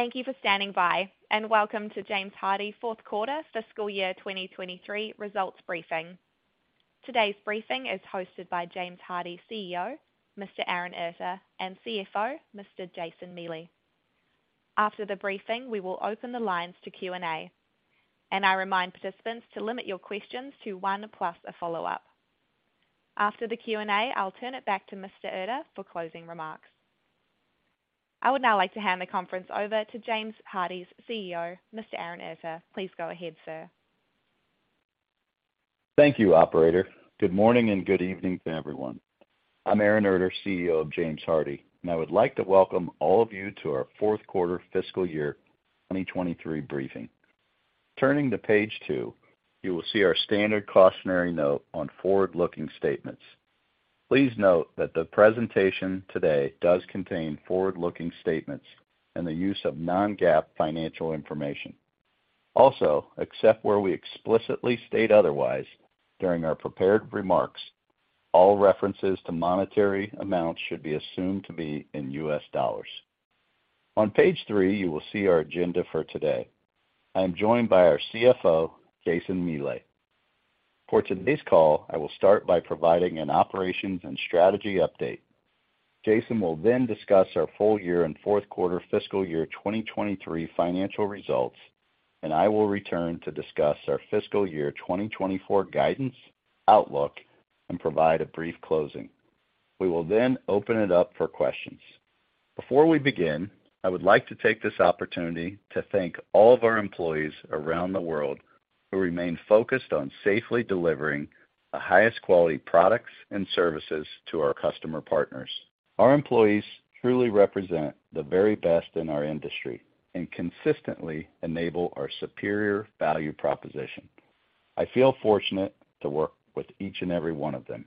Thank you for standing by, and welcome to James Hardie Q4 fiscal year 2023 results briefing. Today's briefing is hosted by James Hardie CEO, Mr. Aaron Erter, and CFO, Mr. Jason Miele. After the briefing, we will open the lines to Q&A. I remind participants to limit your questions to one plus a follow-up. After the Q&A, I'll turn it back to Mr. Erter for closing remarks. I would now like to hand the conference over to James Hardie's CEO, Mr. Aaron Erter. Please go ahead, sir. Thank you, operator. Good morning and good evening to everyone. I'm Aaron Erter, CEO of James Hardie, and I would like to welcome all of you to our Q4 fiscal year 2023 briefing. Turning to Page two, you will see our standard cautionary note on forward-looking statements. Please note that the presentation today does contain forward-looking statements and the use of non-GAAP financial information. Also, except where we explicitly state otherwise, during our prepared remarks, all references to monetary amounts should be assumed to be in U.S. dollars. On Page three, you will see our agenda for today. I am joined by our CFO, Jason Miele. For today's call, I will start by providing an operations and strategy update. Jason will then discuss our full year and Q4 fiscal year 2023 financial results, and I will return to discuss our fiscal year 2024 guidance, outlook, and provide a brief closing. We will then open it up for questions. Before we begin, I would like to take this opportunity to thank all of our employees around the world who remain focused on safely delivering the highest quality products and services to our customer partners. Our employees truly represent the very best in our industry and consistently enable our superior value proposition. I feel fortunate to work with each and every one of them.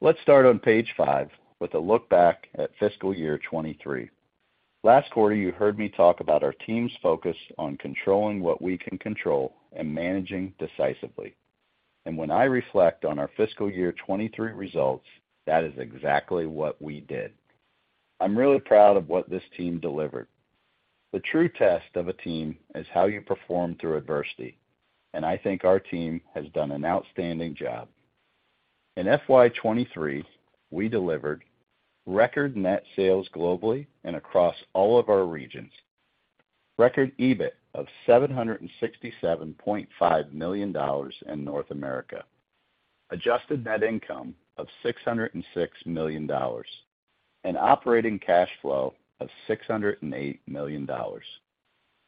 Let's start on Page five with a look back at fiscal year 2023. Last quarter, you heard me talk about our team's focus on controlling what we can control and managing decisively. When I reflect on our fiscal year 2023 results, that is exactly what we did. I'm really proud of what this team delivered. The true test of a team is how you perform through adversity, and I think our team has done an outstanding job. In FY 2023, we delivered record net sales globally and across all of our regions. Record EBIT of $767.5 million in North America. Adjusted net income of $606 million. Operating cash flow of $608 million.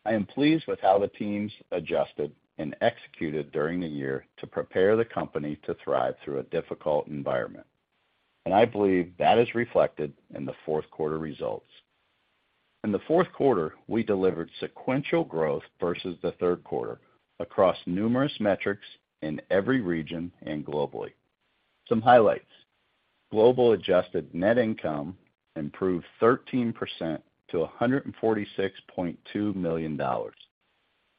I am pleased with how the teams adjusted and executed during the year to prepare the company to thrive through a difficult environment. I believe that is reflected in the Q4 results. In the Q4, we delivered sequential growth versus the Q3 across numerous metrics in every region and globally. Some highlights. Global adjusted net income improved 13% to $146.2 million.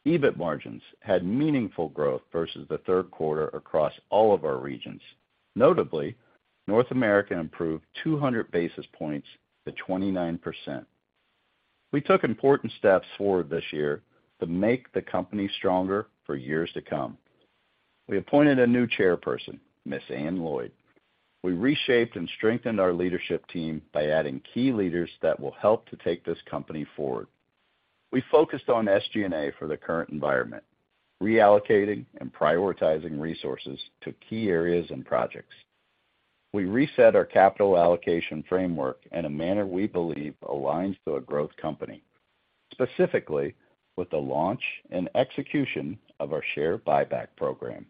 EBIT margins had meaningful growth versus the Q3 across all of our regions. Notably, North America improved 200 basis points to 29%. We took important steps forward this year to make the company stronger for years to come. We appointed a new chairperson, Ms. Anne Lloyd. We reshaped and strengthened our leadership team by adding key leaders that will help to take this company forward. We focused on SG&A for the current environment, reallocating and prioritizing resources to key areas and projects. We reset our capital allocation framework in a manner we believe aligns to a growth company, specifically with the launch and execution of our share buyback program.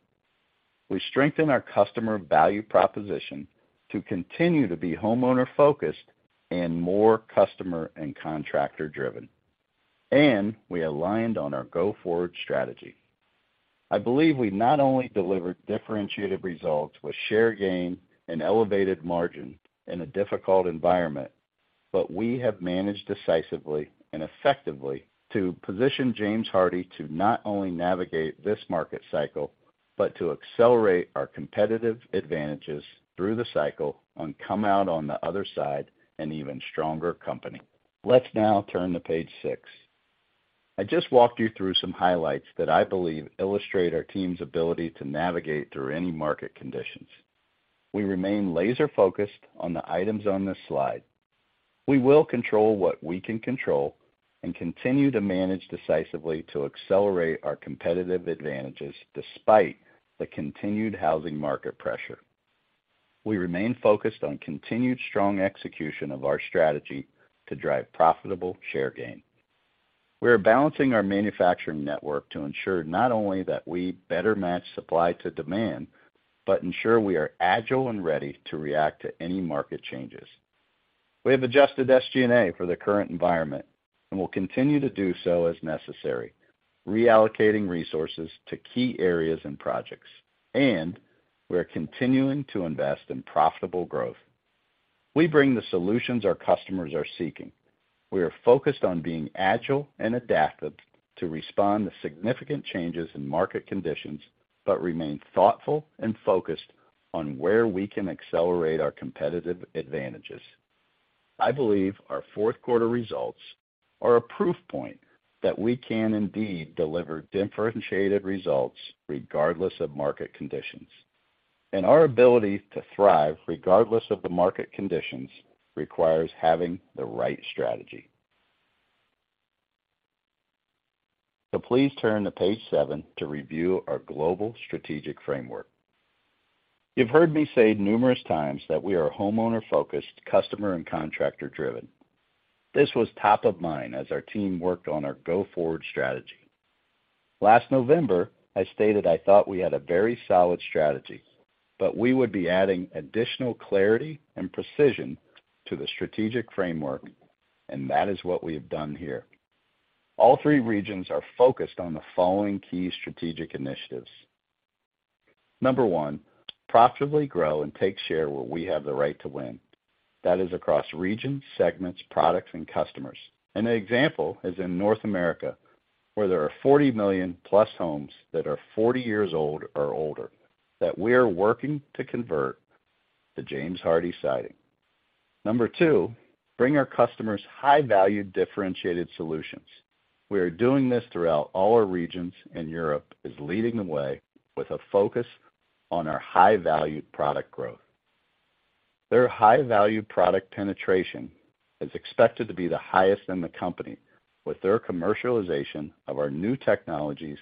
We strengthened our customer value proposition to continue to be homeowner-focused and more customer and contractor-driven. We aligned on our go-forward strategy. I believe we not only delivered differentiated results with share gain and elevated margin in a difficult environment, but we have managed decisively and effectively to position James Hardie to not only navigate this market cycle, but to accelerate our competitive advantages through the cycle and come out on the other side an even stronger company. Let's now turn to Page six. I just walked you through some highlights that I believe illustrate our team's ability to navigate through any market conditions. We remain laser-focused on the items on this slide. We will control what we can control and continue to manage decisively to accelerate our competitive advantages despite the continued housing market pressure. We remain focused on continued strong execution of our strategy to drive profitable share gain. We are balancing our manufacturing network to ensure not only that we better match supply to demand, but ensure we are agile and ready to react to any market changes. We have adjusted SG&A for the current environment and will continue to do so as necessary, reallocating resources to key areas and projects. We are continuing to invest in profitable growth. We bring the solutions our customers are seeking. We are focused on being agile and adaptive to respond to significant changes in market conditions but remain thoughtful and focused on where we can accelerate our competitive advantages. I believe our Q4 results are a proof point that we can indeed deliver differentiated results regardless of market conditions. Our ability to thrive regardless of the market conditions requires having the right strategy. Please turn to Page seven to review our global strategic framework. You've heard me say numerous times that we are homeowner-focused, customer and contractor-driven. This was top of mind as our team worked on our go-forward strategy. Last November, I stated I thought we had a very solid strategy, but we would be adding additional clarity and precision to the strategic framework, and that is what we have done here. All three regions are focused on the following key strategic initiatives. Number one, profitably grow and take share where we have the right to win. That is across regions, segments, products, and customers. An example is in North America, where there are 40 million-plus homes that are 40 years old or older that we are working to convert to James Hardie Siding. Number two, bring our customers high-value differentiated solutions. We are doing this throughout all our regions. Europe is leading the way with a focus on our high-value product growth. Their high-value product penetration is expected to be the highest in the company with their commercialization of our new technologies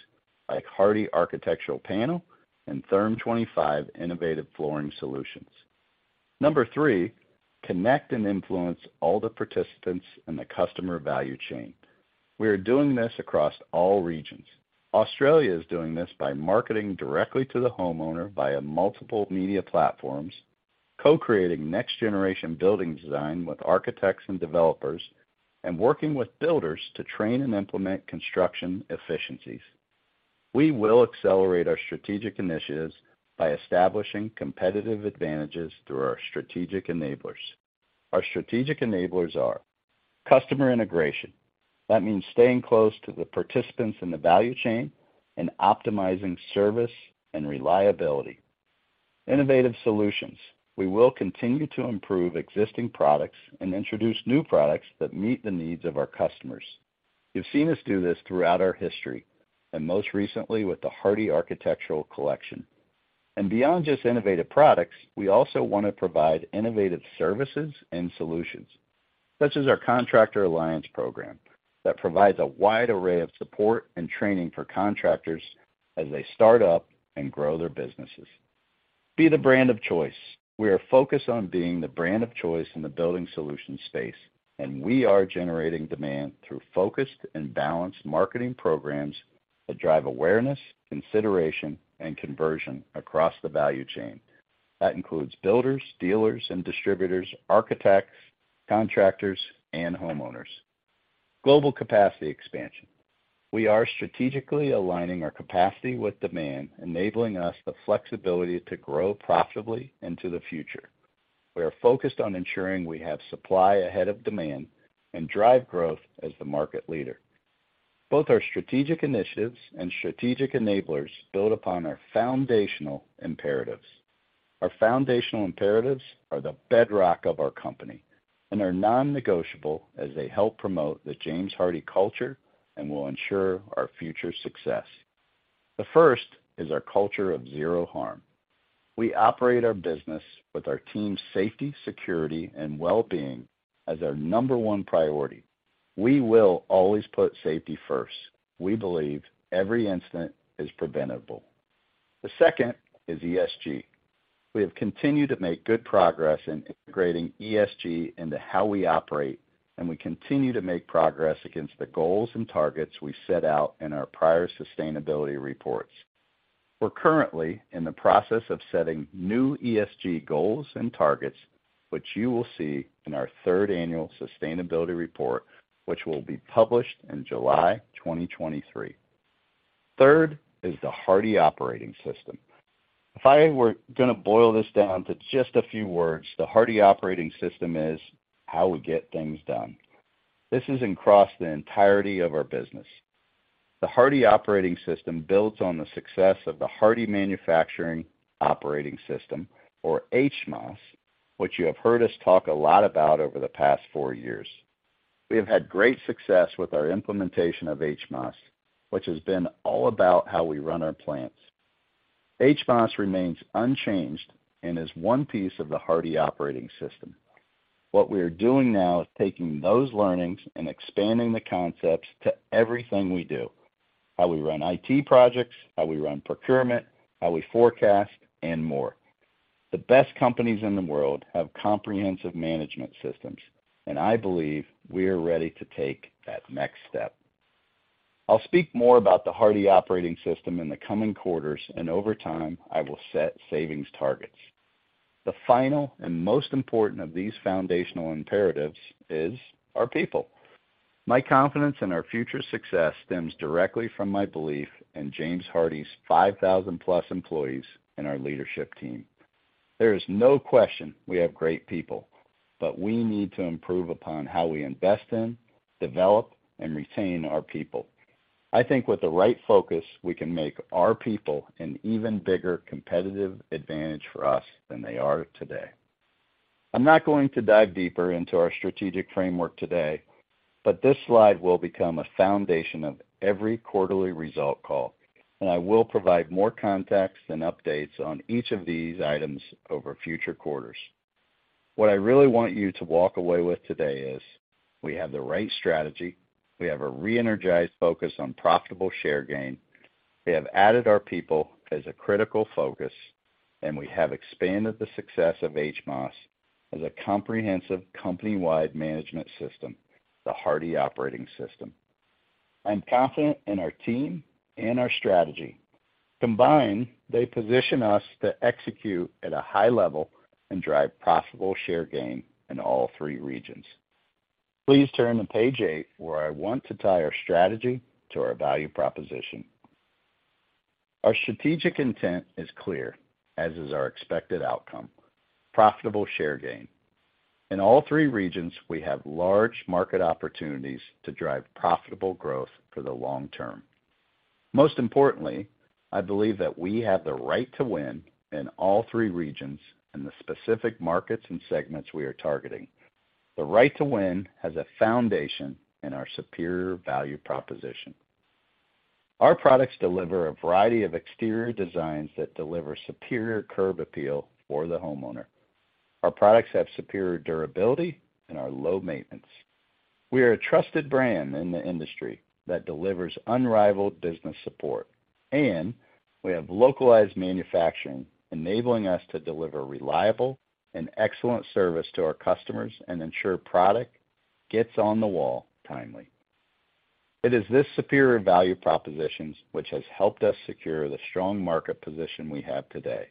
like Hardie Architectural Panel and Therm25 innovative flooring solutions. Number three, connect and influence all the participants in the customer value chain. We are doing this across all regions. Australia is doing this by marketing directly to the homeowner via multiple media platforms, co-creating next-generation building design with architects and developers, and working with builders to train and implement construction efficiencies. We will accelerate our strategic initiatives by establishing competitive advantages through our strategic enablers. Our strategic enablers are customer integration. That means staying close to the participants in the value chain and optimizing service and reliability. Innovative solutions. We will continue to improve existing products and introduce new products that meet the needs of our customers. You've seen us do this throughout our history, and most recently with the Hardie Architectural Collection. Beyond just innovative products, we also wanna provide innovative services and solutions, such as our Contractor Alliance Program that provides a wide array of support and training for contractors as they start up and grow their businesses. Be the brand of choice. We are focused on being the brand of choice in the building solution space, and we are generating demand through focused and balanced marketing programs that drive awareness, consideration, and conversion across the value chain. That includes builders, dealers and distributors, architects, contractors, and homeowners. Global capacity expansion. We are strategically aligning our capacity with demand, enabling us the flexibility to grow profitably into the future. We are focused on ensuring we have supply ahead of demand and drive growth as the market leader. Both our strategic initiatives and strategic enablers build upon our foundational imperatives. Our foundational imperatives are the bedrock of our company and are non-negotiable as they help promote the James Hardie culture and will ensure our future success. The first is our culture of zero harm. We operate our business with our team's safety, security, and well-being as our number one priority. We will always put safety first. We believe every incident is preventable. The second is ESG. We have continued to make good progress in integrating ESG into how we operate, and we continue to make progress against the goals and targets we set out in our prior sustainability reports. We're currently in the process of setting new ESG goals and targets, which you will see in our third annual sustainability report, which will be published in July 2023. Third is the Hardie Operating System. If I were gonna boil this down to just a few words, the Hardie Operating System is how we get things done. This is across the entirety of our business. The Hardie Operating System builds on the success of the Hardie Manufacturing Operating System, or HMOS, which you have heard us talk a lot about over the past four years. We have had great success with our implementation of HMOS, which has been all about how we run our plants. HMOS remains unchanged and is one piece of the Hardie Operating System. What we are doing now is taking those learnings and expanding the concepts to everything we do, how we run IT projects, how we run procurement, how we forecast, and more. The best companies in the world have comprehensive management systems, and I believe we are ready to take that next step. I'll speak more about the Hardie Operating System in the coming quarters, and over time, I will set savings targets. The final and most important of these foundational imperatives is our people. My confidence in our future success stems directly from my belief in James Hardie's 5,000 plus employees and our leadership team. There is no question we have great people, but we need to improve upon how we invest in, develop, and retain our people. I think with the right focus, we can make our people an even bigger competitive advantage for us than they are today. I'm not going to dive deeper into our strategic framework today. This slide will become a foundation of every quarterly result call. I will provide more context and updates on each of these items over future quarters. What I really want you to walk away with today is we have the right strategy, we have a re-energized focus on profitable share gain, we have added our people as a critical focus, and we have expanded the success of HMOS as a comprehensive company-wide management system, the Hardie Operating System. I'm confident in our team and our strategy. Combined, they position us to execute at a high level and drive profitable share gain in all three regions. Please turn to Page eight, where I want to tie our strategy to our value proposition. Our strategic intent is clear, as is our expected outcome, profitable share gain. In all three regions, we have large market opportunities to drive profitable growth for the long term. Most importantly, I believe that we have the right to win in all three regions and the specific markets and segments we are targeting. The right to win has a foundation in our superior value proposition. Our products deliver a variety of exterior designs that deliver superior curb appeal for the homeowner. Our products have superior durability and are low maintenance. We are a trusted brand in the industry that delivers unrivaled business support, and we have localized manufacturing, enabling us to deliver reliable and excellent service to our customers and ensure product gets on the wall timely. It is this superior value propositions which has helped us secure the strong market position we have today,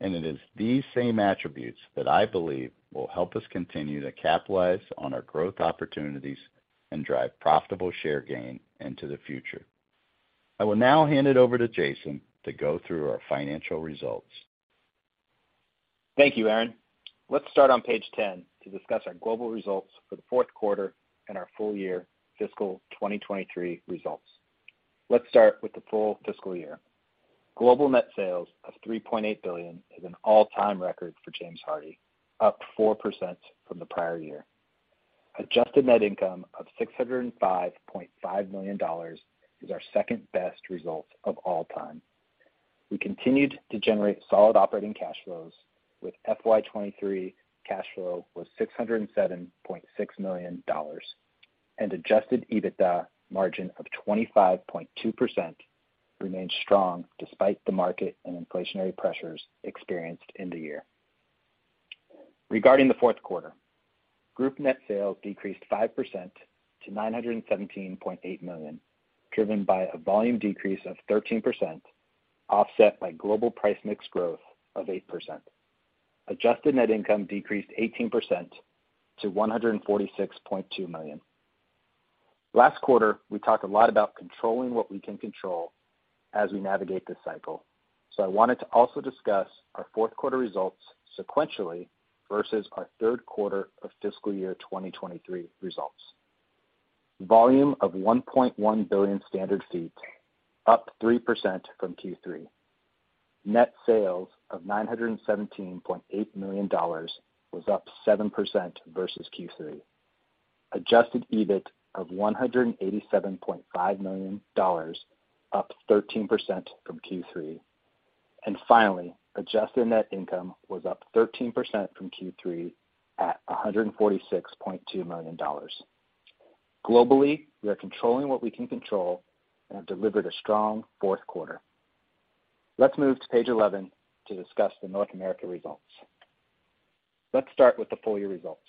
and it is these same attributes that I believe will help us continue to capitalize on our growth opportunities and drive profitable share gain into the future. I will now hand it over to Jason to go through our financial results. Thank you, Aaron. Let's start on Page 10 to discuss our global results for the Q4 and our full year fiscal 2023 results. Let's start with the full fiscal year. Global net sales of $3.8 billion is an all-time record for James Hardie, up 4% from the prior year. Adjusted net income of $605.5 million is our second-best result of all time. We continued to generate solid operating cash flows, with FY 2023 cash flow was $607.6 million, and adjusted EBITDA margin of 25.2% remained strong despite the market and inflationary pressures experienced in the year. Regarding the Q4, group net sales decreased 5% to $917.8 million, driven by a volume decrease of 13%, offset by global price mix growth of 8%. Adjusted net income decreased 18% to $146.2 million. Last quarter, we talked a lot about controlling what we can control as we navigate this cycle, so I wanted to also discuss our Q4 results sequentially versus our Q3 of fiscal year 2023 results. Volume of 1.1 billion standard feet, up 3% from Q3. Net sales of $917.8 million was up 7% versus Q3. Adjusted EBIT of $187.5 million, up 13% from Q3. Finally, adjusted net income was up 13% from Q3 at $146.2 million. Globally, we are controlling what we can control and have delivered a strong Q4. Let's move to Page 11 to discuss the North America results. Let's start with the full year results.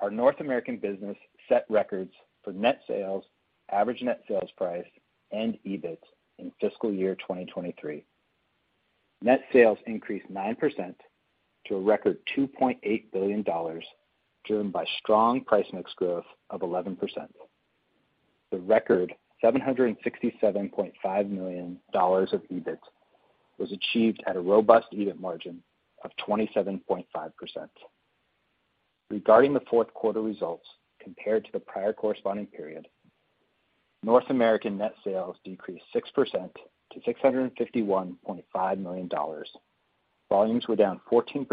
Our North American business set records for net sales, average net sales price, and EBIT in fiscal year 2023. Net sales increased 9% to a record $2.8 billion, driven by strong price mix growth of 11%. The record $767.5 million of EBIT was achieved at a robust EBIT margin of 27.5%. Regarding the Q4 results compared to the prior corresponding period, North American net sales decreased 6% to $651.5 million. Volumes were down 14%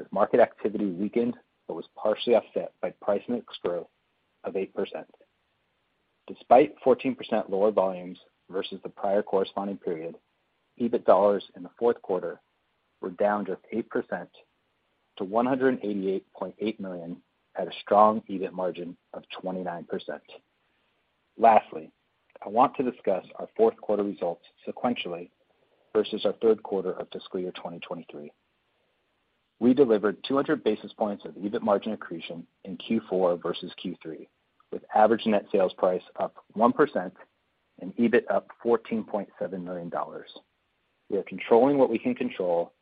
as market activity weakened but was partially offset by price mix growth of 8%. Despite 14% lower volumes versus the prior corresponding period, EBIT dollars in the Q4 were down just 8% to $188.8 million at a strong EBIT margin of 29%. Lastly, I want to discuss our Q4 results sequentially versus our Q3 of fiscal year 2023. We delivered 200 basis points of EBIT margin accretion in Q4 versus Q3, with average net sales price up 1% and EBIT up $14.7 million. We are controlling what we can control,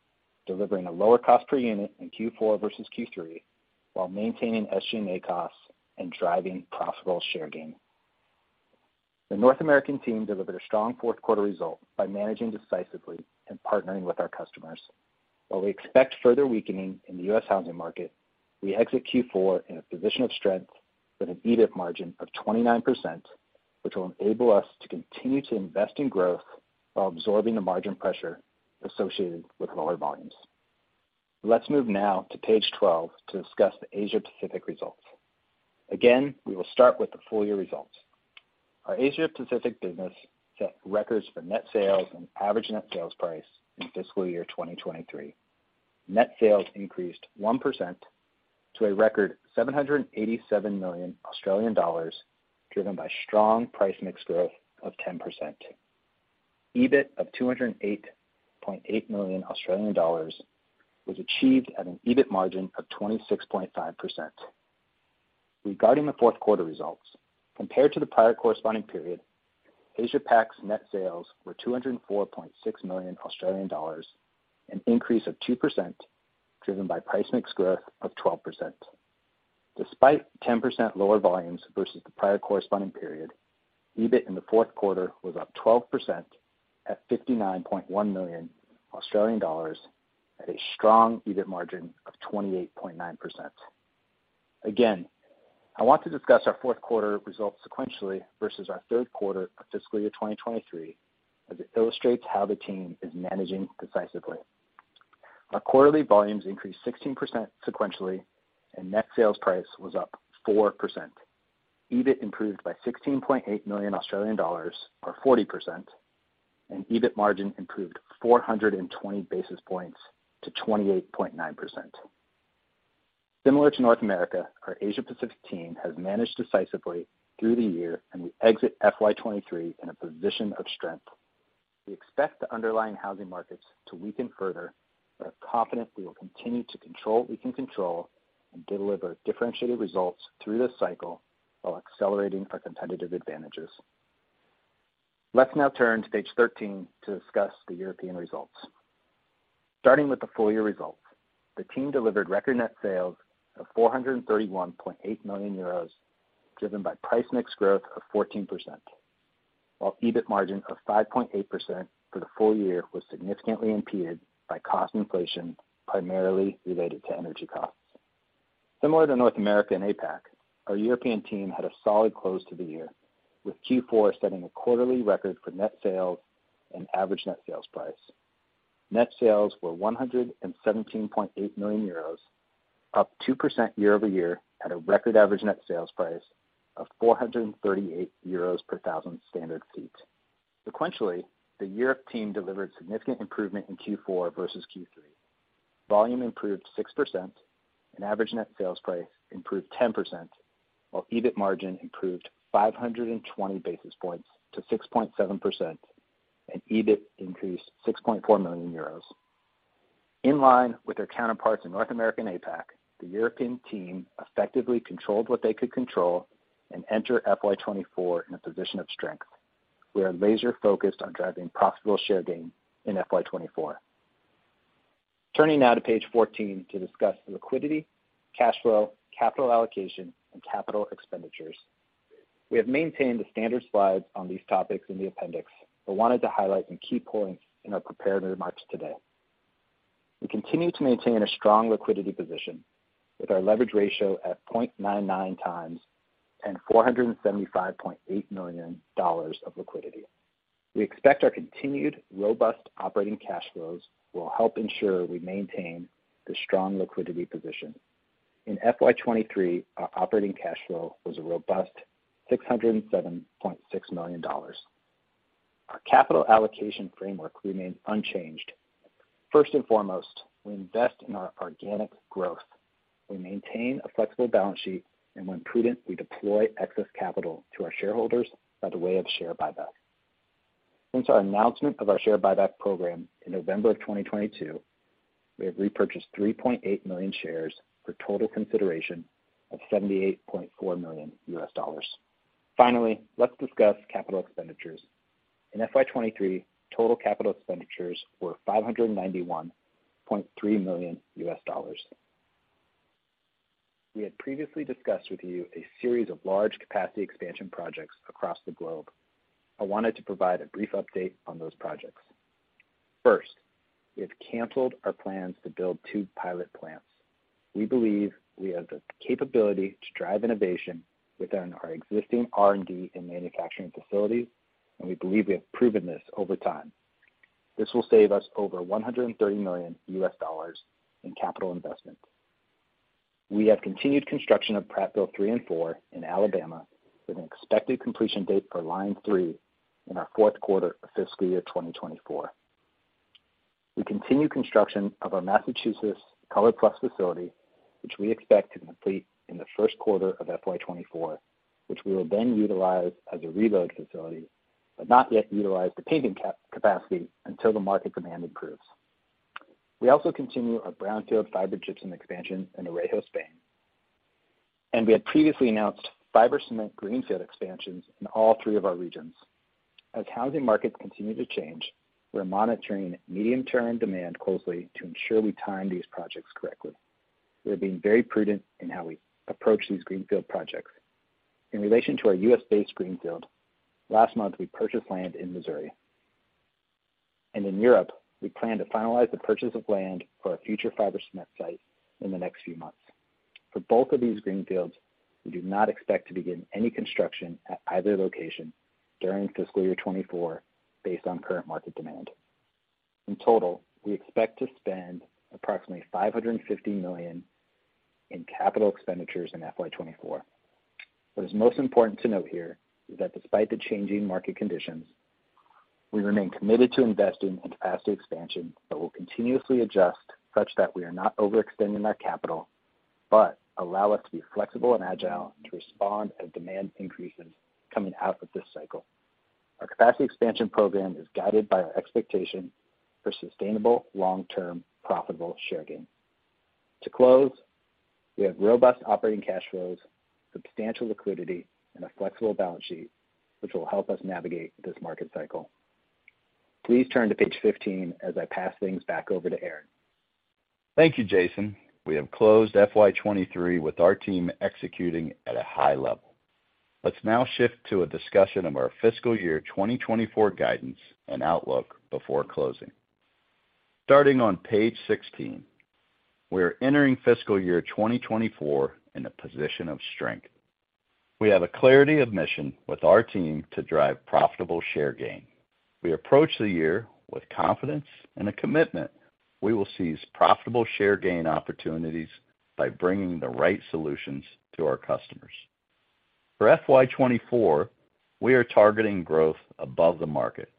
delivering a lower cost per unit in Q4 versus Q3 while maintaining SG&A costs and driving profitable share gain. The North American team delivered a strong Q4 result by managing decisively and partnering with our customers. While we expect further weakening in the U.S. housing market. We exit Q4 in a position of strength with an EBIT margin of 29%, which will enable us to continue to invest in growth while absorbing the margin pressure associated with lower volumes. Let's move now to Page 12 to discuss the Asia Pacific results. We will start with the full year results. Our Asia Pacific business set records for net sales and average net sales price in fiscal year 2023. Net sales increased 1% to a record 787 million Australian dollars, driven by strong price mix growth of 10%. EBIT of 208.8 million Australian dollars was achieved at an EBIT margin of 26.5%. Regarding the Q4 results, compared to the prior corresponding period, Asia Pac's net sales were 204.6 million Australian dollars, an increase of 2%, driven by price mix growth of 12%. Despite 10% lower volumes versus the prior corresponding period, EBIT in the Q4 was up 12% at 59.1 million Australian dollars at a strong EBIT margin of 28.9%. I want to discuss our Q4 results sequentially versus our Q3 of fiscal year 2023, as it illustrates how the team is managing decisively. Our quarterly volumes increased 16% sequentially, and net sales price was up 4%. EBIT improved by 16.8 million Australian dollars, or 40%, and EBIT margin improved 420 basis points to 28.9%. Similar to North America, our Asia Pacific team has managed decisively through the year, and we exit FY23 in a position of strength. We expect the underlying housing markets to weaken further, but are confident we will continue to control what we can control and deliver differentiated results through this cycle while accelerating our competitive advantages. Let's now turn to Page 13 to discuss the European results. Starting with the full year results, the team delivered record net sales of 431.8 million euros, driven by price mix growth of 14%, while EBIT margin of 5.8% for the full year was significantly impeded by cost inflation, primarily related to energy costs. Similar to North America and APAC, our European team had a solid close to the year, with Q4 setting a quarterly record for net sales and average net sales price. Net sales were 117.8 million euros, up 2% year-over-year at a record average net sales price of 438 euros per 1,000 standard feet. Sequentially, the Europe team delivered significant improvement in Q4 versus Q3. Volume improved 6%, and average net sales price improved 10%, while EBIT margin improved 520 basis points to 6.7%, and EBIT increased 6.4 million euros. In line with their counterparts in North American APAC, the European team effectively controlled what they could control and enter FY 2024 in a position of strength. We are laser-focused on driving profitable share gain in FY 2024. Turning now to Page 14 to discuss liquidity, cash flow, capital allocation, and capital expenditures. We have maintained the standard slides on these topics in the appendix, but wanted to highlight some key points in our prepared remarks today. We continue to maintain a strong liquidity position with our leverage ratio at 0.99 times and $475.8 million of liquidity. We expect our continued robust operating cash flows will help ensure we maintain the strong liquidity position. In FY23, our operating cash flow was a robust $607.6 million. Our capital allocation framework remains unchanged. First and foremost, we invest in our organic growth. We maintain a flexible balance sheet, and when prudent, we deploy excess capital to our shareholders by the way of share buyback. Since our announcement of our share buyback program in November 2022, we have repurchased 3.8 million shares for total consideration of $78.4 million. Let's discuss capital expenditures. In FY 2023, total capital expenditures were $591.3 million. We had previously discussed with you a series of large capacity expansion projects across the globe. I wanted to provide a brief update on those projects. We have canceled our plans to build two pilot plants. We believe we have the capability to drive innovation within our existing R&D and manufacturing facilities, and we believe we have proven this over time. This will save us over $130 million in capital investment. We have continued construction of Prattville 3 and 4 in Alabama with an expected completion date for line three in our Q4 of fiscal year 2024. We continue construction of our Massachusetts ColorPlus facility, which we expect to complete in the Q1 of FY 2024, which we will then utilize as a reload facility, but not yet utilize the painting capacity until the market demand improves. We also continue our brownfield fiber gypsum expansion in Orejo, Spain. We have previously announced fiber cement greenfield expansions in all three of our regions. As housing markets continue to change, we're monitoring medium-term demand closely to ensure we time these projects correctly. We are being very prudent in how we approach these greenfield projects. In relation to our U.S.-based greenfield, last month, we purchased land in Missouri. In Europe, we plan to finalize the purchase of land for our future fiber cement site in the next few months. For both of these greenfields, we do not expect to begin any construction at either location during fiscal year 2024 based on current market demand. In total, we expect to spend approximately $550 million in capital expenditures in FY 2024. What is most important to note here is that despite the changing market conditions, we remain committed to investing in capacity expansion that will continuously adjust such that we are not overextending our capital, but allow us to be flexible and agile to respond as demand increases coming out of this cycle. Our capacity expansion program is guided by our expectation for sustainable long-term profitable share gain. To close, we have robust operating cash flows, substantial liquidity, and a flexible balance sheet, which will help us navigate this market cycle. Please turn to Page 15 as I pass things back over to Aaron. Thank you, Jason. We have closed FY 2023 with our team executing at a high level. Let's now shift to a discussion of our fiscal year 2024 guidance and outlook before closing. Starting on Page 16, we are entering fiscal year 2024 in a position of strength. We have a clarity of mission with our team to drive profitable share gain. We approach the year with confidence and a commitment we will seize profitable share gain opportunities by bringing the right solutions to our customers. For FY 2024, we are targeting growth above the market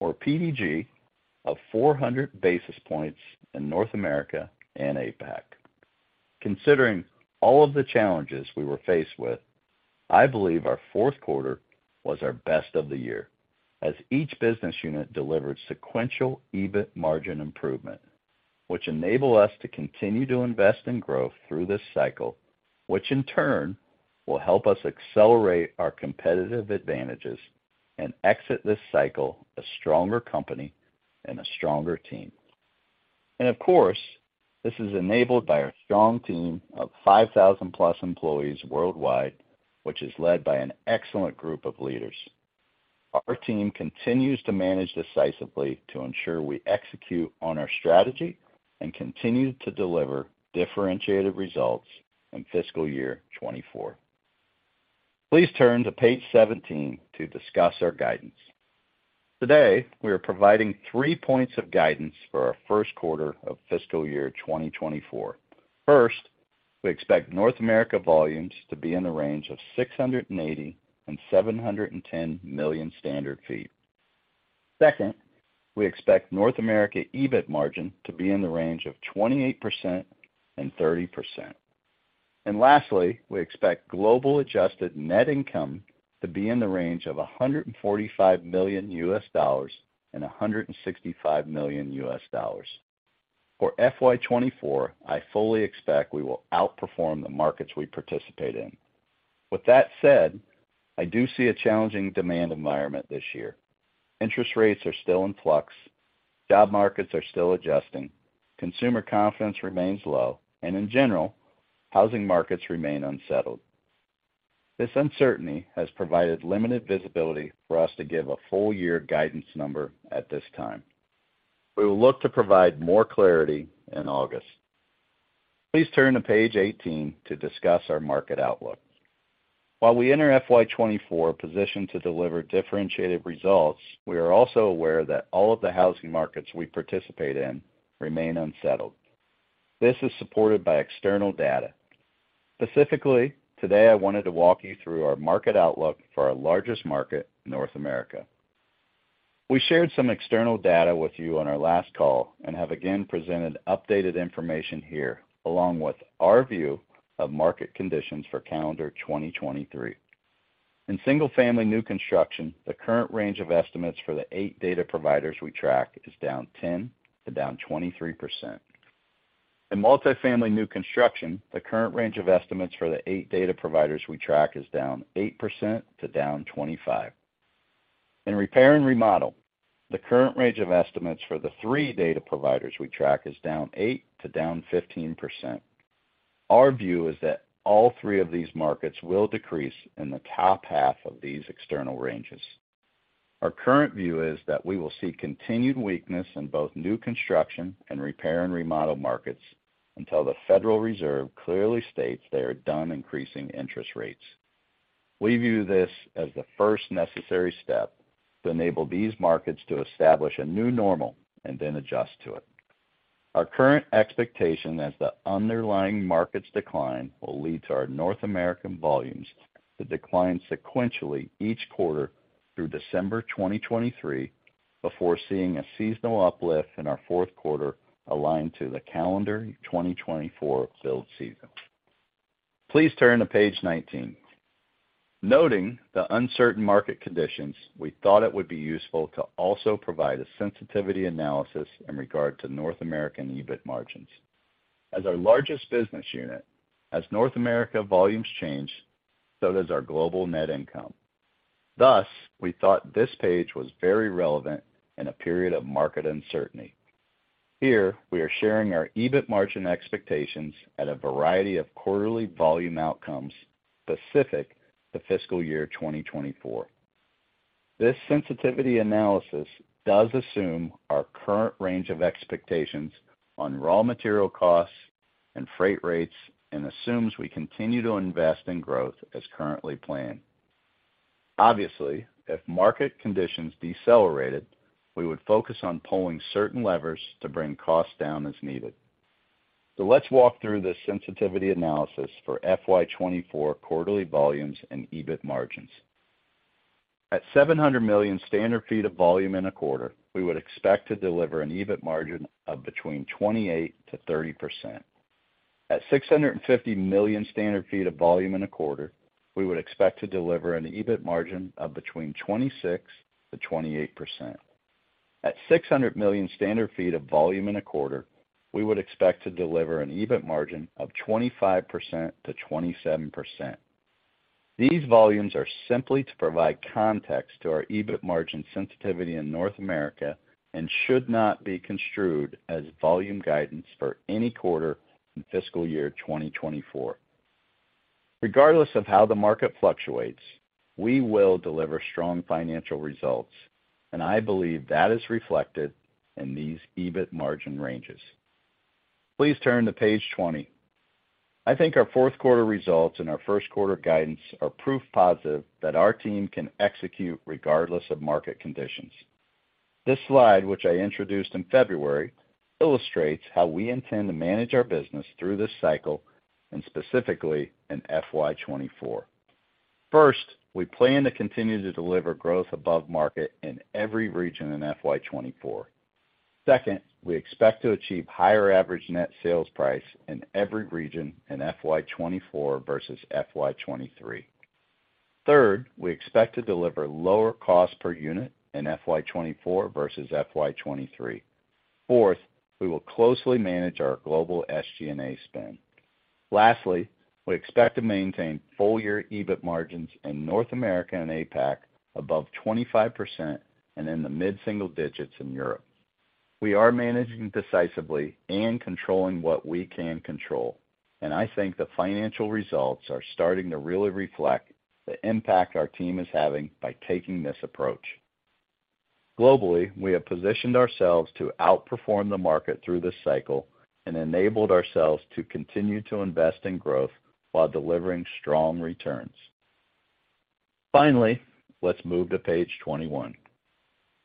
or a PDG of 400 basis points in North America and APAC. Considering all of the challenges we were faced with, I believe our Q4 was our best of the year, as each business unit delivered sequential EBIT margin improvement, which enable us to continue to invest in growth through this cycle, which in turn will help us accelerate our competitive advantages and exit this cycle a stronger company and a stronger team. Of course, this is enabled by our strong team of 5,000 plus employees worldwide, which is led by an excellent group of leaders. Our team continues to manage decisively to ensure we execute on our strategy and continue to deliver differentiated results in fiscal year 2024. Please turn to Page 17 to discuss our guidance. Today, we are providing 3 points of guidance for our Q1 of fiscal year 2024. We expect North America volumes to be in the range of 680 and 710 million standard feet. Second, we expect North America EBIT margin to be in the range of 28% and 30%. Lastly, we expect global adjusted net income to be in the range of $145 million and $165 million. For FY 2024, I fully expect we will outperform the markets we participate in. With that said, I do see a challenging demand environment this year. Interest rates are still in flux, job markets are still adjusting, consumer confidence remains low, and in general, housing markets remain unsettled. This uncertainty has provided limited visibility for us to give a full year guidance number at this time. We will look to provide more clarity in August. Please turn to Page 18 to discuss our market outlook. While we enter FY 2024 positioned to deliver differentiated results, we are also aware that all of the housing markets we participate in remain unsettled. This is supported by external data. Specifically, today I wanted to walk you through our market outlook for our largest market, North America. We shared some external data with you on our last call and have again presented updated information here along with our view of market conditions for calendar 2023. In single-family new construction, the current range of estimates for the 8 data providers we track is down 10% to down 23%. In multifamily new construction, the current range of estimates for the 8 data providers we track is down 8% to down 25%. In repair and remodel, the current range of estimates for the three data providers we track is -8% to -15%. Our view is that all three of these markets will decrease in the top half of these external ranges. Our current view is that we will see continued weakness in both new construction and repair and remodel markets until the Federal Reserve clearly states they are done increasing interest rates. We view this as the first necessary step to enable these markets to establish a new normal and then adjust to it. Our current expectation as the underlying markets decline will lead to our North American volumes to decline sequentially each quarter through December 2023 before seeing a seasonal uplift in our Q4 aligned to the calendar 2024 build season. Please turn to Page 19. Noting the uncertain market conditions, we thought it would be useful to also provide a sensitivity analysis in regard to North American EBIT margins. As our largest business unit, as North America volumes change, so does our global net income. We thought this page was very relevant in a period of market uncertainty. Here, we are sharing our EBIT margin expectations at a variety of quarterly volume outcomes specific to fiscal year 2024. This sensitivity analysis does assume our current range of expectations on raw material costs and freight rates and assumes we continue to invest in growth as currently planned. Obviously, if market conditions decelerated, we would focus on pulling certain levers to bring costs down as needed. Let's walk through this sensitivity analysis for FY 2024 quarterly volumes and EBIT margins. At 700 million standard feet of volume in a quarter, we would expect to deliver an EBIT margin of between 28%-30%. At 650 million standard feet of volume in a quarter, we would expect to deliver an EBIT margin of between 26%-28%. At 600 million standard feet of volume in a quarter, we would expect to deliver an EBIT margin of 25%-27%. These volumes are simply to provide context to our EBIT margin sensitivity in North America and should not be construed as volume guidance for any quarter in fiscal year 2024. Regardless of how the market fluctuates, we will deliver strong financial results, and I believe that is reflected in these EBIT margin ranges. Please turn to Page 20. I think our Q4 results and our Q1 guidance are proof positive that our team can execute regardless of market conditions. This slide, which I introduced in February, illustrates how we intend to manage our business through this cycle and specifically in FY 2024. First, we plan to continue to deliver growth above market in every region in FY 2024. Second, we expect to achieve higher average net sales price in every region in FY 2024 versus FY 2023. Third, we expect to deliver lower cost per unit in FY 2024 versus FY 2023. Fourth, we will closely manage our global SG&A spend. Lastly, we expect to maintain full-year EBIT margins in North America and APAC above 25% and in the mid-single digits in Europe. We are managing decisively and controlling what we can control. I think the financial results are starting to really reflect the impact our team is having by taking this approach. Globally, we have positioned ourselves to outperform the market through this cycle and enabled ourselves to continue to invest in growth while delivering strong returns. Finally, let's move to Page 21.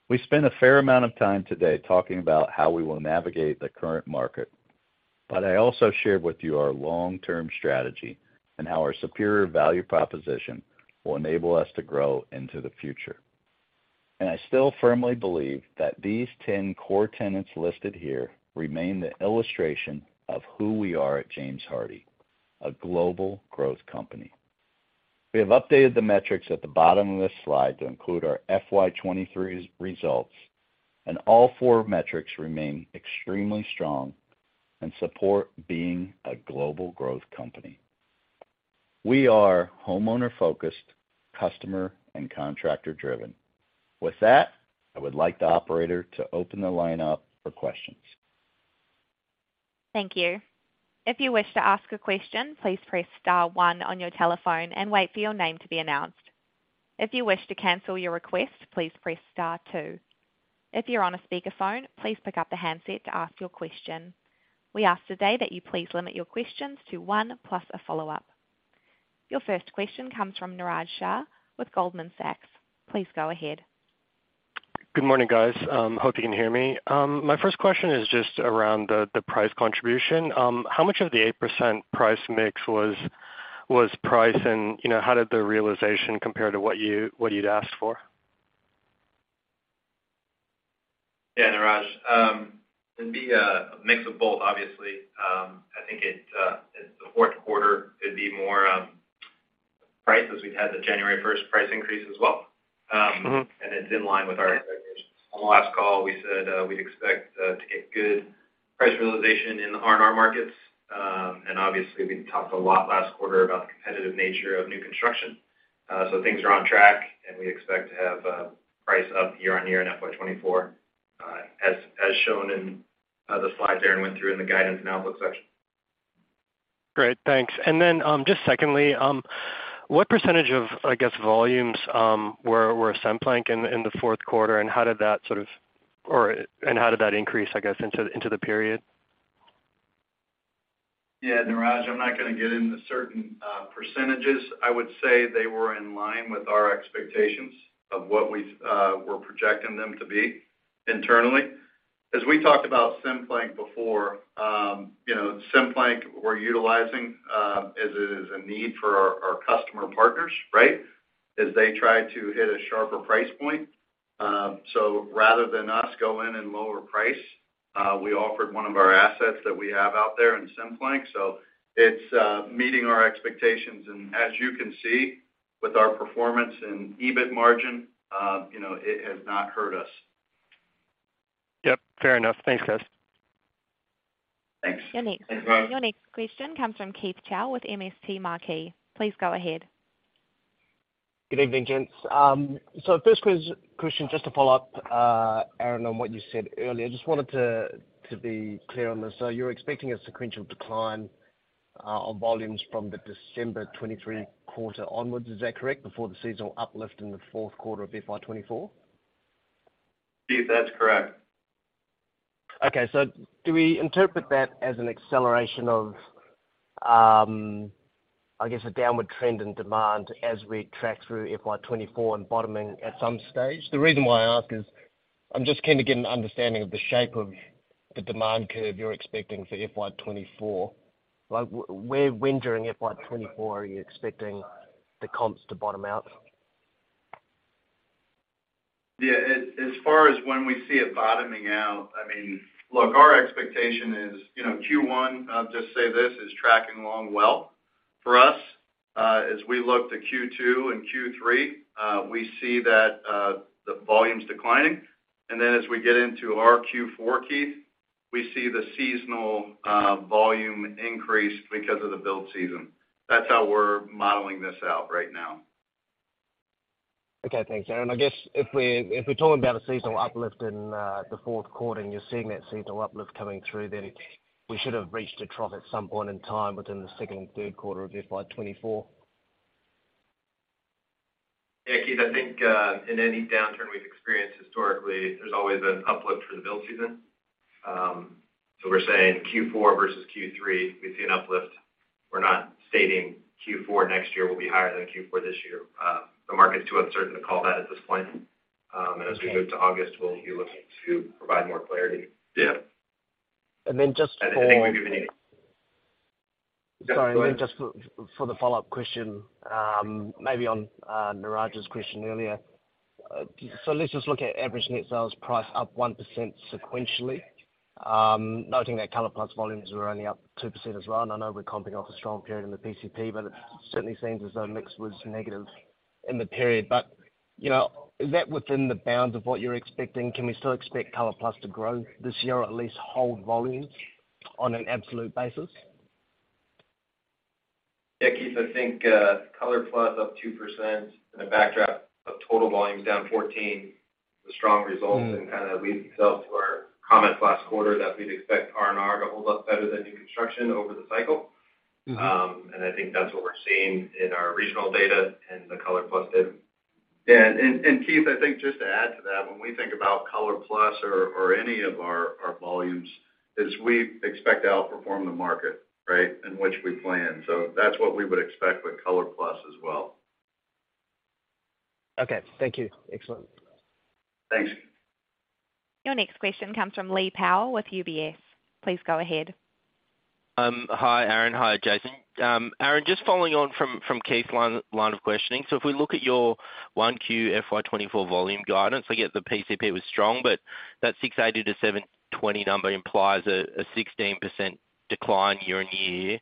We spent a fair amount of time today talking about how we will navigate the current market. I also shared with you our long-term strategy and how our superior value proposition will enable us to grow into the future. I still firmly believe that these 10 core tenets listed here remain the illustration of who we are at James Hardie, a global growth company. We have updated the metrics at the bottom of this slide to include our FY 2023 results. All four metrics remain extremely strong and support being a global growth company. We are homeowner-focused, customer and contractor-driven. With that, I would like the operator to open the line up for questions. Thank you. If you wish to ask a question, please press star one on your telephone and wait for your name to be announced. If you wish to cancel your request, please press star two. If you're on a speakerphone, please pick up the handset to ask your question. We ask today that you please limit your questions to one plus a follow-up. Your first question comes from Niraj Shah with Goldman Sachs. Please go ahead. Good morning, guys. Hope you can hear me. My first question is just around the price contribution. How much of the 8% price mix was price and, you know, how did the realization compare to what you'd asked for? Yeah, Niraj. It'd be a mix of both, obviously. I think it's the Q4 could be more price as we've had the January first price increase as well. Mm-hmm. It's in line with our expectations. On the last call, we said we'd expect to get good price realization in the R&R markets. Obviously, we talked a lot last quarter about the competitive nature of new construction. Things are on track, and we expect to have price up year-over-year in FY 2024 as shown in the slides Aaron went through in the guidance and outlook section. Great. Thanks. Then, just secondly, what percentage of, I guess, volumes, were Cemplank in the Q4, and how did that increase, I guess, into the period? Niraj, I'm not gonna get into certain percentages. I would say they were in line with our expectations of what we were projecting them to be internally. We talked about Cemplank before, you know, Cemplank we're utilizing as it is a need for our customer partners, right? They try to hit a sharper price point. Rather than us go in and lower price, we offered one of our assets that we have out there in Cemplank. It's meeting our expectations. As you can see with our performance in EBIT margin, you know, it has not hurt us. Yep, fair enough. Thanks, guys. Thanks. Your next- Thanks, Niraj. Your next question comes from Keith Chau with MST Marquee. Please go ahead. Good evening, gents. First question, just to follow-up, Aaron, on what you said earlier. Just wanted to be clear on this. You're expecting a sequential decline on volumes from the December 2023 quarter onwards, is that correct, before the seasonal uplift in the Q4 of FY 2024? Keith, that's correct. Do we interpret that as an acceleration of, I guess, a downward trend in demand as we track through FY 2024 and bottoming at some stage? The reason why I ask is I'm just keen to get an understanding of the shape of the demand curve you're expecting for FY 2024. Like where, when during FY 2024 are you expecting the comps to bottom out? Yeah. As far as when we see it bottoming out, I mean, look, our expectation is, you know, Q1, I'll just say this, is tracking along well for us. As we look to Q2 and Q3, we see that the volume's declining. As we get into our Q4, Keith, we see the seasonal volume increase because of the build season. That's how we're modeling this out right now. Okay. Thanks, Aaron. I guess if we're talking about a seasonal uplift in the Q4 and you're seeing that seasonal uplift coming through, we should have reached a trough at some point in time within the Q2 and Q3 of FY 2024. Yeah, Keith. I think in any downturn we've experienced historically, there's always an uplift for the build season. We're saying Q4 versus Q3, we see an uplift. We're not stating Q4 next year will be higher than Q4 this year. The market's too uncertain to call that at this point. Okay. As we move to August, we'll be looking to provide more clarity. Yeah. just. I think we've been. Sorry. Just for the follow-up question, maybe on Niraj's question earlier. Let's just look at average net sales price up 1% sequentially, noting that ColorPlus volumes were only up 2% as well. I know we're comping off a strong period in the PCP, but it certainly seems as though mix was negative in the period. You know, is that within the bounds of what you're expecting? Can we still expect ColorPlus to grow this year, or at least hold volume on an absolute basis? Yeah, Keith. I think, ColorPlus up 2% in a backdrop of total volumes down 14, the strong results. Mm. kinda leads itself to our comments last quarter that we'd expect R&R to hold up better than new construction over the cycle. Mm-hmm. And I think that's what we're seeing in our regional data and the ColorPlus dip. Yeah. Keith, I think just to add to that, when we think about ColorPlus or any of our volumes is we expect to outperform the market, right? In which we plan. That's what we would expect with ColorPlus as well. Okay. Thank you. Excellent. Thanks. Your next question comes from Lee Power with UBS. Please go ahead. Hi, Aaron Erter. Hi, Jason Miele Aaron, just following on from Keith Chau's line of questioning. If we look at your Q1 FY 2024 volume guidance, I get the PCP was strong, but that 680-720 number implies a 16% decline year-on-year.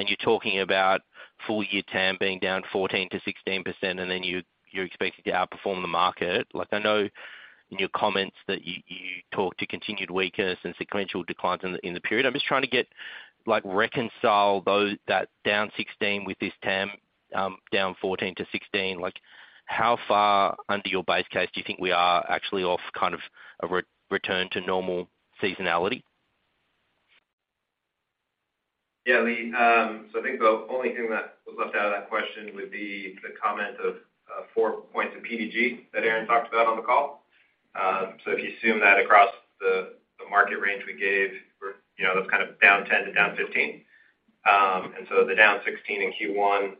You're talking about full year TAM being down 14%-16% and then you're expecting to outperform the market. Like I know in your comments that you talked to continued weakness and sequential declines in the period. I'm just trying to get, like, reconcile that down 16 with this TAM down 14-16. Like how far under your base case do you think we are actually off kind of a return to normal seasonality? Yeah, Lee. I think the only thing that was left out of that question would be the comment of 4 points of PDG that Aaron talked about on the call. If you assume that across the market range we gave, we're, you know, that's kind of down 10 to down 15. The down 16 in Q1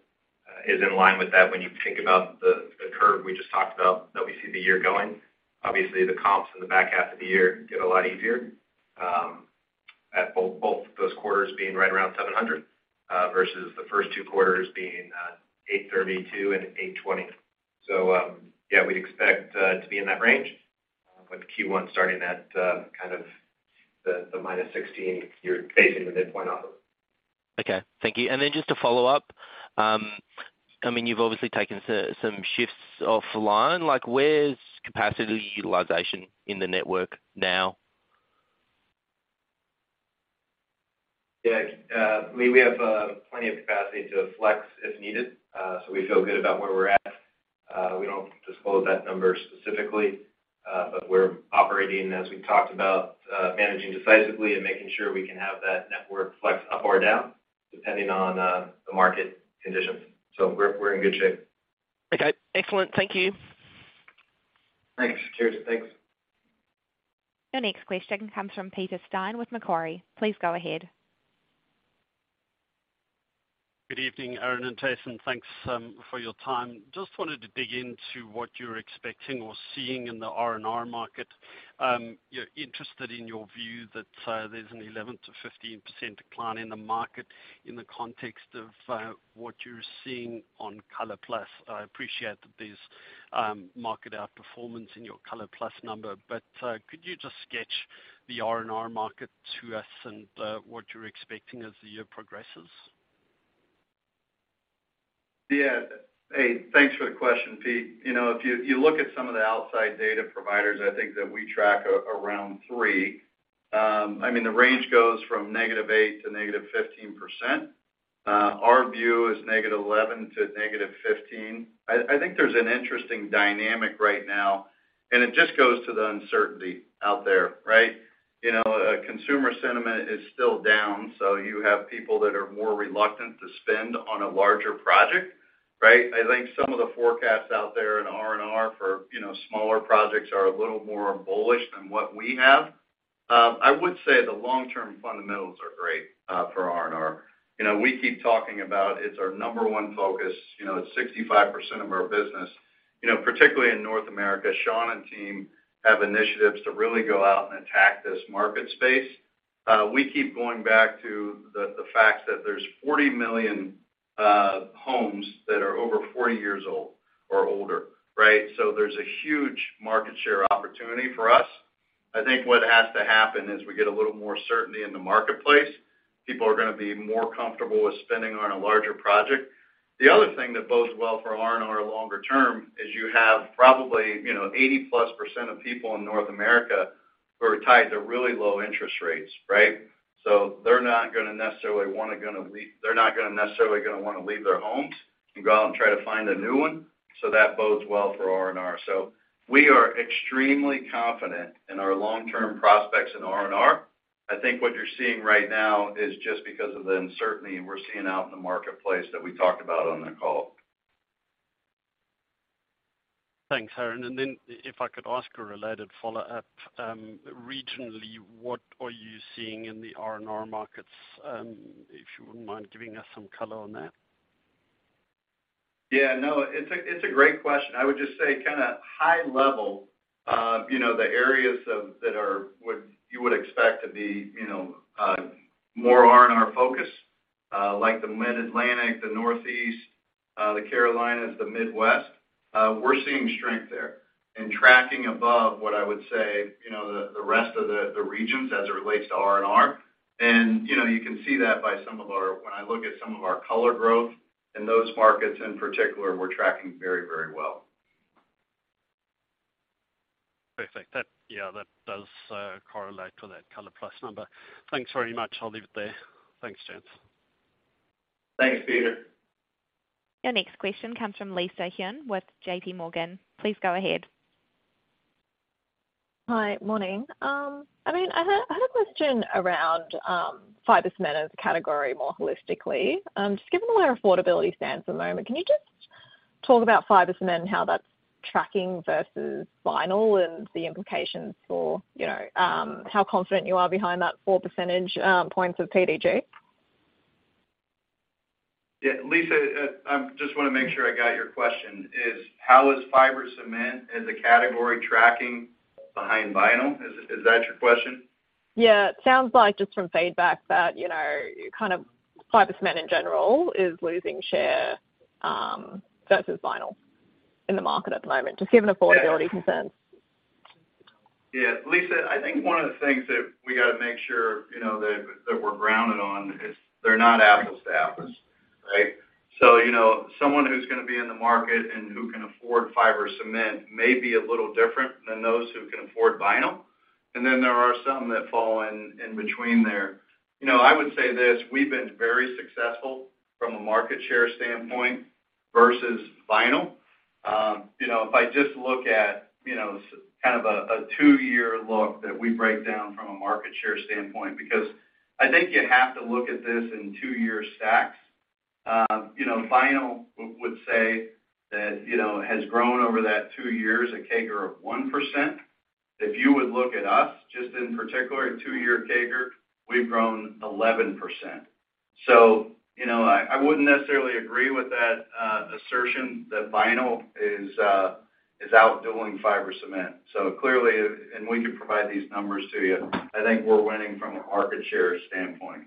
is in line with that when you think about the curve we just talked about, that we see the year going. Obviously, the comps in the back half of the year get a lot easier, at both those quarters being right around $700, versus the first two quarters being $832 and $820. Yeah, we'd expect to be in that range with Q1 starting at kind of the -16 you're basing the midpoint off of. Okay. Thank you. Just to follow-up, I mean, you've obviously taken some shifts off line. Like where's capacity utilization in the network now? Yeah. Lee, we have plenty of capacity to flex if needed, so we feel good about where we're at. We don't disclose that number specifically, but we're operating, as we've talked about, managing decisively and making sure we can have that network flex up or down depending on the market conditions. We're in good shape. Okay, excellent. Thank you. Thanks. Cheers. Thanks. Your next question comes from Peter Steyn with Macquarie. Please go ahead. Good evening, Aaron and Jason. Thanks for your time. Just wanted to dig into what you're expecting or seeing in the R&R market. You're interested in your view that there's an 11%-15% decline in the market in the context of what you're seeing on ColorPlus. I appreciate that there's market outperformance in your ColorPlus number, but could you just sketch the R&R market to us and what you're expecting as the year progresses? Yeah. Hey, thanks for the question, Peter. You know, if you look at some of the outside data providers, I think that we track around three I mean, the range goes from -8% to -15%. Our view is -11% to -15%. I think there's an interesting dynamic right now, it just goes to the uncertainty out there, right? You know, consumer sentiment is still down, you have people that are more reluctant to spend on a larger project, right? I think some of the forecasts out there in R&R for, you know, smaller projects are a little more bullish than what we have. I would say the long-term fundamentals are great for R&R. You know, we keep talking about it's our number one focus. You know, it's 65% of our business. You know, particularly in North America, Sean and team have initiatives to really go out and attack this market space. We keep going back to the facts that there's 40 million homes that are over 40 years old or older, right? There's a huge market share opportunity for us. I think what has to happen is we get a little more certainty in the marketplace. People are gonna be more comfortable with spending on a larger project. The other thing that bodes well for R&R longer term is you have probably, you know, 80%+ of people in North America who are tied to really low interest rates, right? They're not gonna necessarily wanna leave their homes and go out and try to find a new one. That bodes well for R&R. We are extremely confident in our long-term prospects in R&R. I think what you're seeing right now is just because of the uncertainty we're seeing out in the marketplace that we talked about on the call. Thanks, Aaron. If I could ask a related follow-up. Regionally, what are you seeing in the R&R markets? If you wouldn't mind giving us some color on that? Yeah, no, it's a great question. I would just say kinda high level, you know, you would expect to be, you know, more R&R focused, like the Mid-Atlantic, the Northeast, the Carolinas, the Midwest, we're seeing strength there and tracking above what I would say, you know, the rest of the regions as it relates to R&R. You know, you can see that by when I look at some of our color growth in those markets, in particular, we're tracking very, very well. Perfect. That, yeah, that does correlate to that ColorPlus number. Thanks very much. I'll leave it there. Thanks, gents. Thanks, Peter. Your next question comes from Lisa Huynh with JPMorgan. Please go ahead. Hi. Morning. I mean, I had a question around fiber cement as a category more holistically. Just given where affordability stands at the moment, can you just talk about fiber cement and how that's tracking versus vinyl and the implications for, you know, how confident you are behind that 4 percentage points of PDG? Yeah. Lisa, just wanna make sure I got your question. Is how is fiber cement as a category tracking behind vinyl? Is that your question? Yeah. It sounds like just from feedback that, you know, kind of fiber cement in general is losing share, versus vinyl in the market at the moment, just given affordability concerns. Yeah. Lisa, I think one of the things that we gotta make sure, you know, that we're grounded on is they're not apples to apples, right? Someone who's gonna be in the market and who can afford fiber cement may be a little different than those who can afford vinyl. There are some that fall in between there. You know, I would say this, we've been very successful from a market share standpoint versus vinyl. You know, if I just look at, you know, kind of a two-year look that we break down from a market share standpoint, because I think you have to look at this in two-year stacks. You know, vinyl would say that, you know, has grown over that two years, a CAGR of 1%. If you would look at us just in particular, a two-year CAGR, we've grown 11%. You know, I wouldn't necessarily agree with that assertion that vinyl is outdoing fiber cement. Clearly, and we can provide these numbers to you, I think we're winning from a market share standpoint. Okay.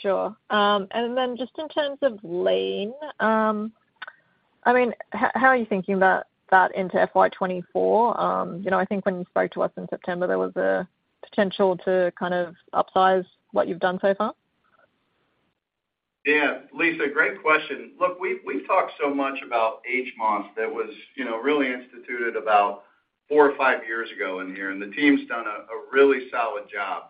Sure. Just in terms of lean, I mean, how are you thinking about that into FY 2024? You know, I think when you spoke to us in September, there was a potential to kind of upsize what you've done so far. Lisa, great question. Look, we've talked so much about HMOS that was, you know, really instituted about four or five years ago in here, and the team's done a really solid job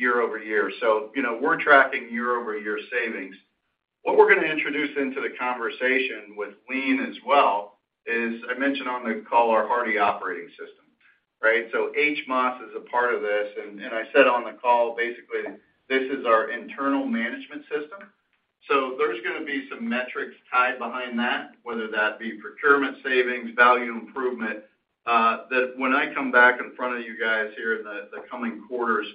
year-over-year. You know, we're tracking year-over-year savings. What we're gonna introduce into the conversation with lean as well is, I mentioned on the call our Hardie Operating System, right? HMOS is a part of this. And I said on the call, basically, this is our internal management system. There's gonna be some metrics tied behind that, whether that be procurement savings, value improvement, that when I come back in front of you guys here in the coming quarters,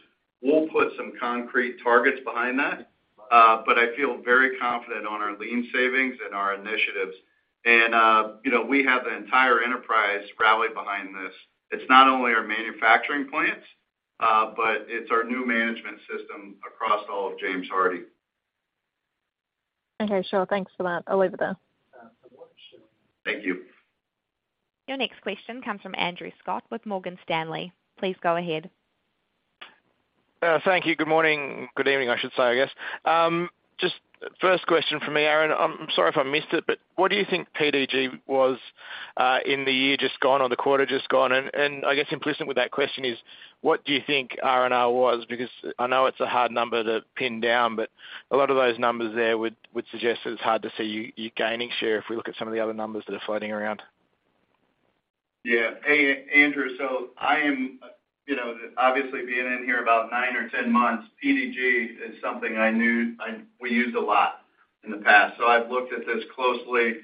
we'll put some concrete targets behind that. I feel very confident on our lean savings and our initiatives. You know, we have the entire enterprise rallied behind this. It's not only our manufacturing plants, but it's our new management system across all of James Hardie. Okay. Sure. Thanks for that. I'll leave it there. Thank you. Your next question comes from Andrew Scott with Morgan Stanley. Please go ahead. Thank you. Good morning. Good evening, I should say, I guess. Just first question for me, Aaron, I'm sorry if I missed it, but what do you think PDG was in the year just gone or the quarter just gone? I guess implicit with that question is what do you think R&R was? Because I know it's a hard number to pin down, but a lot of those numbers there would suggest that it's hard to see you gaining share if we look at some of the other numbers that are floating around. Hey, Andrew. I am, you know, obviously being in here about nine or 10 months, PDG is something I knew we used a lot in the past. I've looked at this closely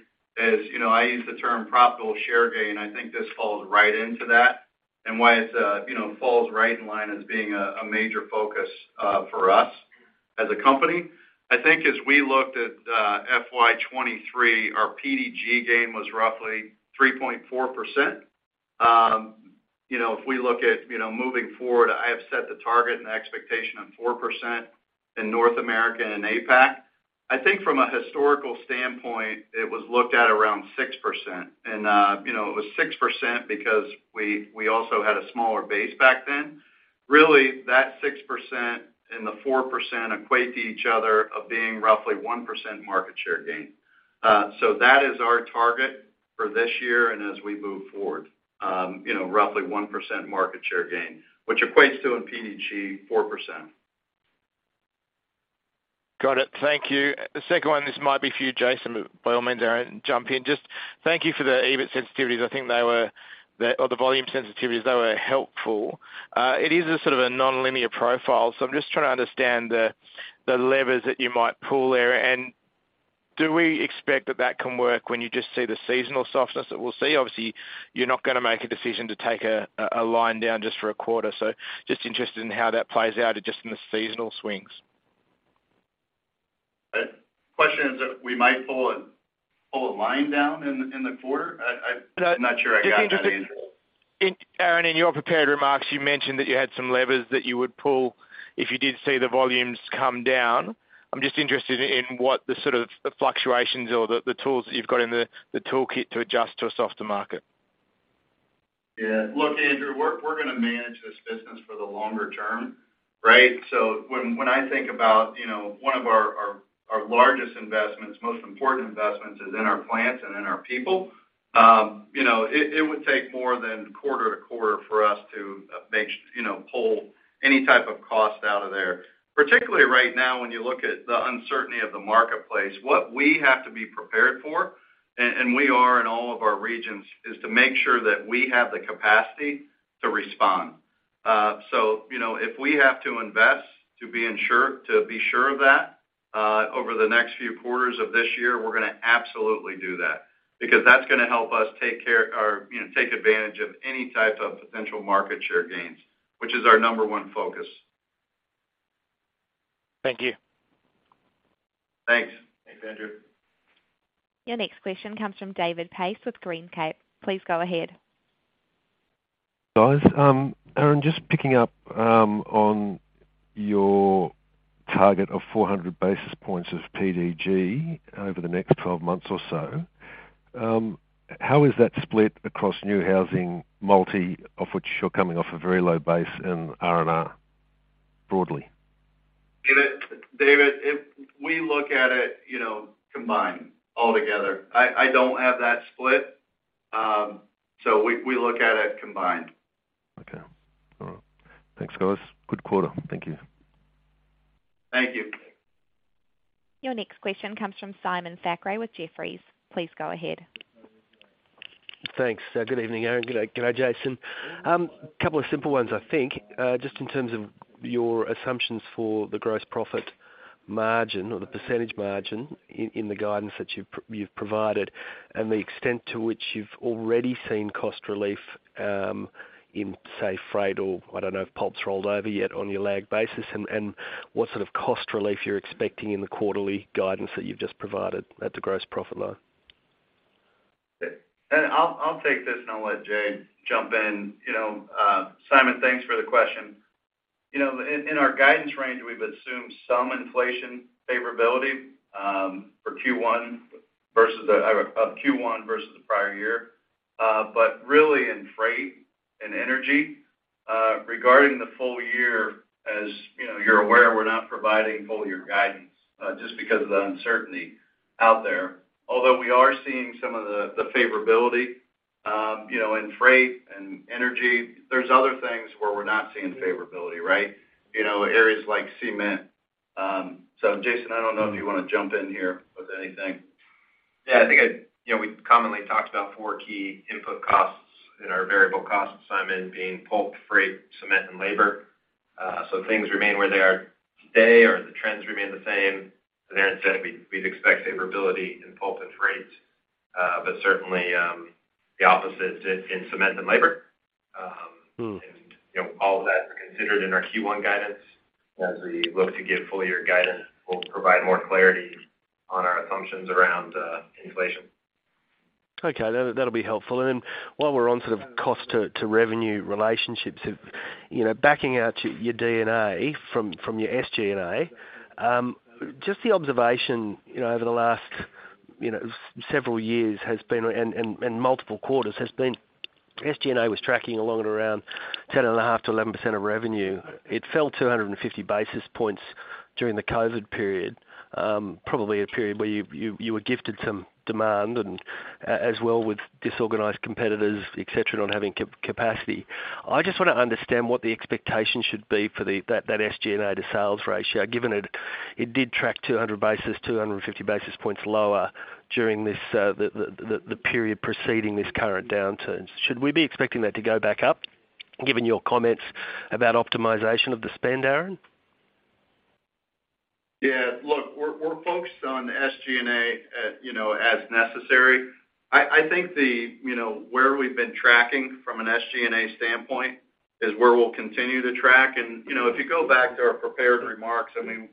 as, you know, I use the term profitable share gain. I think this falls right into that and why it, you know, falls right in line as being a major focus for us as a company. I think as we looked at FY 2023, our PDG gain was roughly 3.4%. You know, if we look at, you know, moving forward, I have set the target and expectation of 4% in North America and APAC. I think from a historical standpoint, it was looked at around 6%. You know, it was 6% because we also had a smaller base back then. Really, that 6% and the 4% equate to each other of being roughly 1% market share gain. That is our target for this year and as we move forward, you know, roughly 1% market share gain, which equates to in PDG 4%. Got it. Thank you. The second one, this might be for you, Jason, but by all means, Aaron, jump in. Just thank you for the EBIT sensitivities. Or the volume sensitivities, they were helpful. It is a sort of a nonlinear profile, so I'm just trying to understand the levers that you might pull there. Do we expect that that can work when you just see the seasonal softness that we'll see? Obviously, you're not gonna make a decision to take a line down just for a quarter. Just interested in how that plays out just in the seasonal swings. The question is, if we might pull a line down in the quarter? No. I'm not sure I got that, Andrew. Aaron, in your prepared remarks, you mentioned that you had some levers that you would pull if you did see the volumes come down. I'm just interested in what the sort of the fluctuations or the tools that you've got in the toolkit to adjust to a softer market. Yeah. Look, Andrew, we're gonna manage this business for the longer term, right? When I think about, you know, one of our largest investments, most important investments, is in our plants and in our people, you know, it would take more than quarter-to-quarter for us to you know, pull any type of cost out of there. Particularly right now, when you look at the uncertainty of the marketplace, what we have to be prepared for, and we are in all of our regions, is to make sure that we have the capacity to respond. You know, if we have to invest to be sure of that, over the next few quarters of this year, we're gonna absolutely do that because that's gonna help us take care or, you know, take advantage of any type of potential market share gains, which is our number 1 focus. Thank you. Thanks. Thanks, Andrew. Your next question comes from David Pace with Greencape Capital. Please go ahead. Guys, Aaron, just picking up, on your target of 400 basis points of PDG over the next 12 months or so, how is that split across new housing, multi, of which you're coming off a very low base, and R&R broadly? David, if we look at it, you know, combined altogether. I don't have that split. We look at it combined. Okay. All right. Thanks, guys. Good quarter. Thank you. Thank you. Your next question comes from Simon Thackray with Jefferies. Please go ahead. Thanks. Good evening, Aaron. Good day. Good day, Jason. Couple of simple ones, I think, just in terms of your assumptions for the gross profit margin or the percentage margin in the guidance that you've provided and the extent to which you've already seen cost relief, in, say, freight or, I don't know if pulp's rolled over yet on your lag basis and, what sort of cost relief you're expecting in the quarterly guidance that you've just provided at the gross profit line. I'll take this, and I'll let Jay jump in. You know, Simon, thanks for the question. You know, in our guidance range, we've assumed some inflation favorability for Q1 versus the prior year. But really in freight and energy, regarding the full year, as you know, you're aware, we're not providing full year guidance just because of the uncertainty out there. Although we are seeing some of the favorability, you know, in freight and energy, there's other things where we're not seeing favorability, right? You know, areas like cement. Jason, I don't know if you wanna jump in here with anything. Yeah. I think, you know, we commonly talked about four key input costs in our variable costs, Simon, being pulp, freight, cement, and labor. Things remain where they are today or the trends remain the same. As Aaron said, we'd expect favorability in pulp and freight, but certainly, the opposite in cement and labor. Mm. You know, all of that are considered in our Q1 guidance. As we look to give full year guidance, we'll provide more clarity on our assumptions around inflation. Okay. That'll be helpful. Then while we're on sort of cost to revenue relationships of, you know, backing out your D&A from your SG&A, just the observation, you know, over the last, you know, several years has been and multiple quarters has been SG&A was tracking along at around 10.5%-11% of revenue. It fell 250 basis points during the COVID period, probably a period where you were gifted some demand as well with disorganized competitors, et cetera, not having capacity. I just wanna understand what the expectation should be for the SG&A to sales ratio, given it did track 250 basis points lower during the period preceding this current downturn. Should we be expecting that to go back up, given your comments about optimization of the spend, Aaron? Yeah. Look, we're focused on SG&A, you know, as necessary. I think the, you know, where we've been tracking from an SG&A standpoint is where we'll continue to track. You know, if you go back to our prepared remarks, I mean,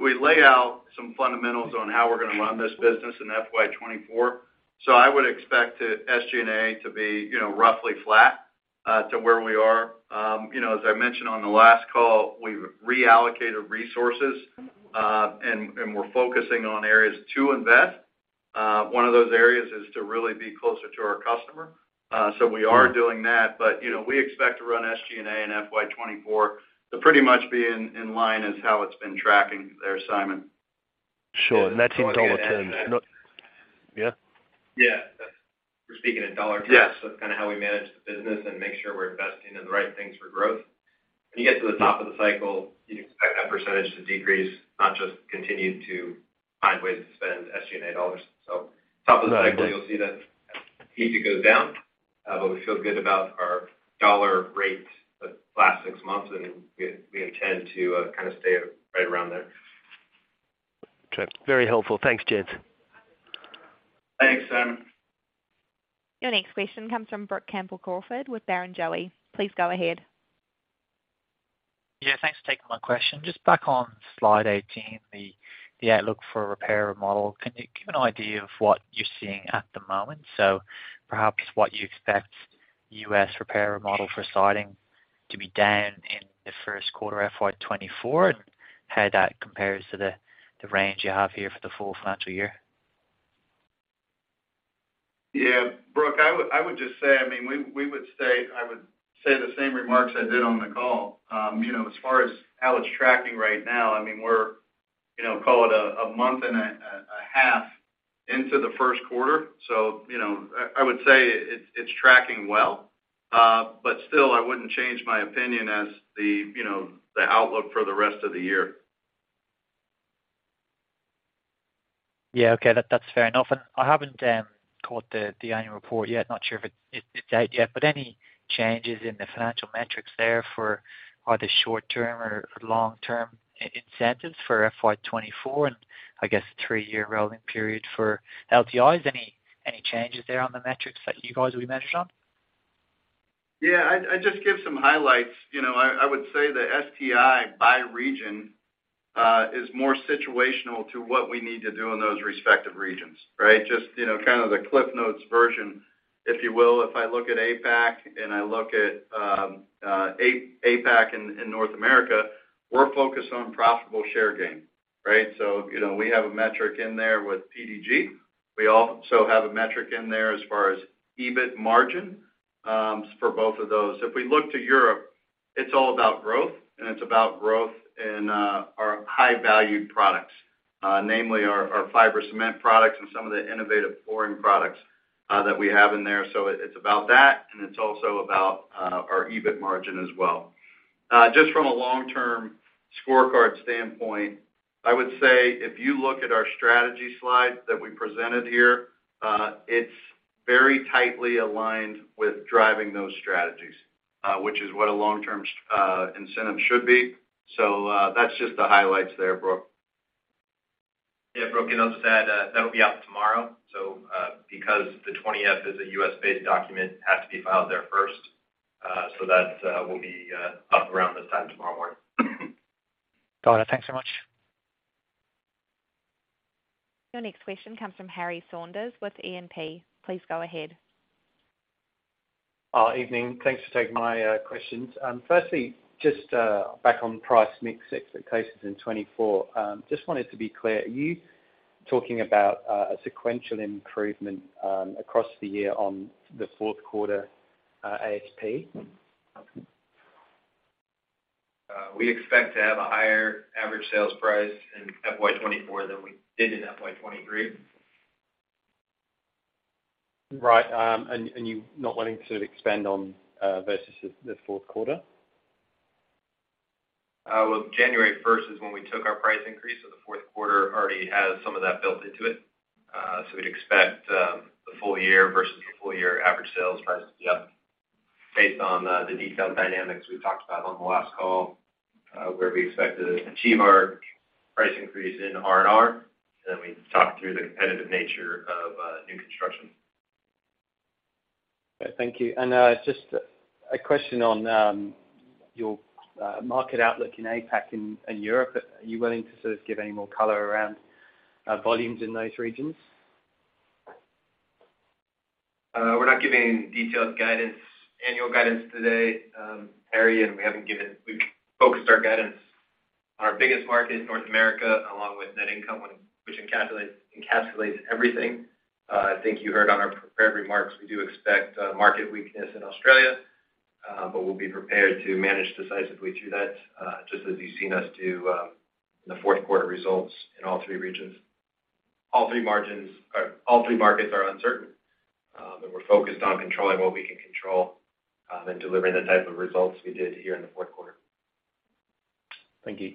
we lay out some fundamentals on how we're gonna run this business in FY 2024. I would expect the SG&A to be, you know, roughly flat to where we are. You know, as I mentioned on the last call, we've reallocated resources and we're focusing on areas to invest. One of those areas is to really be closer to our customer. So we are doing that. You know, we expect to run SG&A in FY 2024 to pretty much be in line as to how it's been tracking there, Simon. Sure. That's in dollar terms, not... Yeah? Yeah. We're speaking in dollar terms. Yeah. It's kinda how we manage the business and make sure we're investing in the right things for growth. When you get to the top of the cycle, you'd expect that percentage to decrease, not just continue to find ways to spend SG&A dollars. top of the cycle- Got it.... you'll see that piece go down, but we feel good about our dollar rate the last six months, and we intend to kind of stay right around there. Okay. Very helpful. Thanks, gents. Thanks, Simon. Your next question comes from Brook Campbell-Crawford with Barrenjoey. Please go ahead. Yeah, thanks for taking my question. Just back on Slide 18, the outlook for repair and remodel. Can you give an idea of what you're seeing at the moment? Perhaps what you expect U.S. repair and remodel for siding to be down in the Q1 FY 2024, and how that compares to the range you have here for the full financial year? Yeah. Brook, I would just say, I mean, we would say I would say the same remarks I did on the call. You know, as far as how it's tracking right now, I mean, we're, you know, call it a month and a half into the Q1. I would say it's tracking well. Still, I wouldn't change my opinion as the, you know, the outlook for the rest of the year. Yeah. Okay. That's fair enough. I haven't caught the annual report yet. Not sure if it's out yet. Any changes in the financial metrics there for either short-term or long-term incentives for FY 2024 and, I guess, three-year rolling period for LTIs? Any changes there on the metrics that you guys will be measured on? I'd just give some highlights. You know, I would say the STI by region is more situational to what we need to do in those respective regions, right? Just, you know, kind of the cliff notes version, if you will. If I look at APAC and I look at APAC in North America, we're focused on profitable share gain, right? You know, we have a metric in there with PDG. We also have a metric in there as far as EBIT margin for both of those. If we look to Europe, it's all about growth, and it's about growth in our high-valued products, namely our fiber cement products and some of the innovative flooring products that we have in there. It's about that, and it's also about our EBIT margin as well. Just from a long-term scorecard standpoint, I would say if you look at our strategy slide that we presented here, it's very tightly aligned with driving those strategies, which is what a long-term incentive should be. That's just the highlights there, Brook. Brook, and I'll just add, that'll be out tomorrow. Because the 20-F is a U.S.-based document, it has to be filed there first. That will be up around this time tomorrow morning. Got it. Thanks so much. Your next question comes from Harry Saunders with E&P. Please go ahead. Evening. Thanks for taking my questions. Firstly, just back on price mix expectations in 2024. Just wanted to be clear. Are you talking about a sequential improvement across the year on the Q4 ASP? We expect to have a higher average sales price in FY 2024 than we did in FY 2023. Right. You're not wanting to expand on versus the Q4? Well, January 1st is when we took our price increase, so the Q4 already has some of that built into it. We'd expect the full year versus the full year average sales price is up based on the detailed dynamics we talked about on the last call, where we expect to achieve our price increase in R&R, and we talked through the competitive nature of new construction. Thank you. Just a question on your market outlook in APAC and Europe. Are you willing to sort of give any more color around volumes in those regions? We're not giving detailed guidance, annual guidance today, Harry. We've focused our guidance. Our biggest market is North America, along with net income, which encapsulates everything. I think you heard on our prepared remarks, we do expect market weakness in Australia. We'll be prepared to manage decisively through that, just as you've seen us do in the Q4 results in all three regions. All three markets are uncertain. We're focused on controlling what we can control, delivering the type of results we did here in the Q4. Thank you.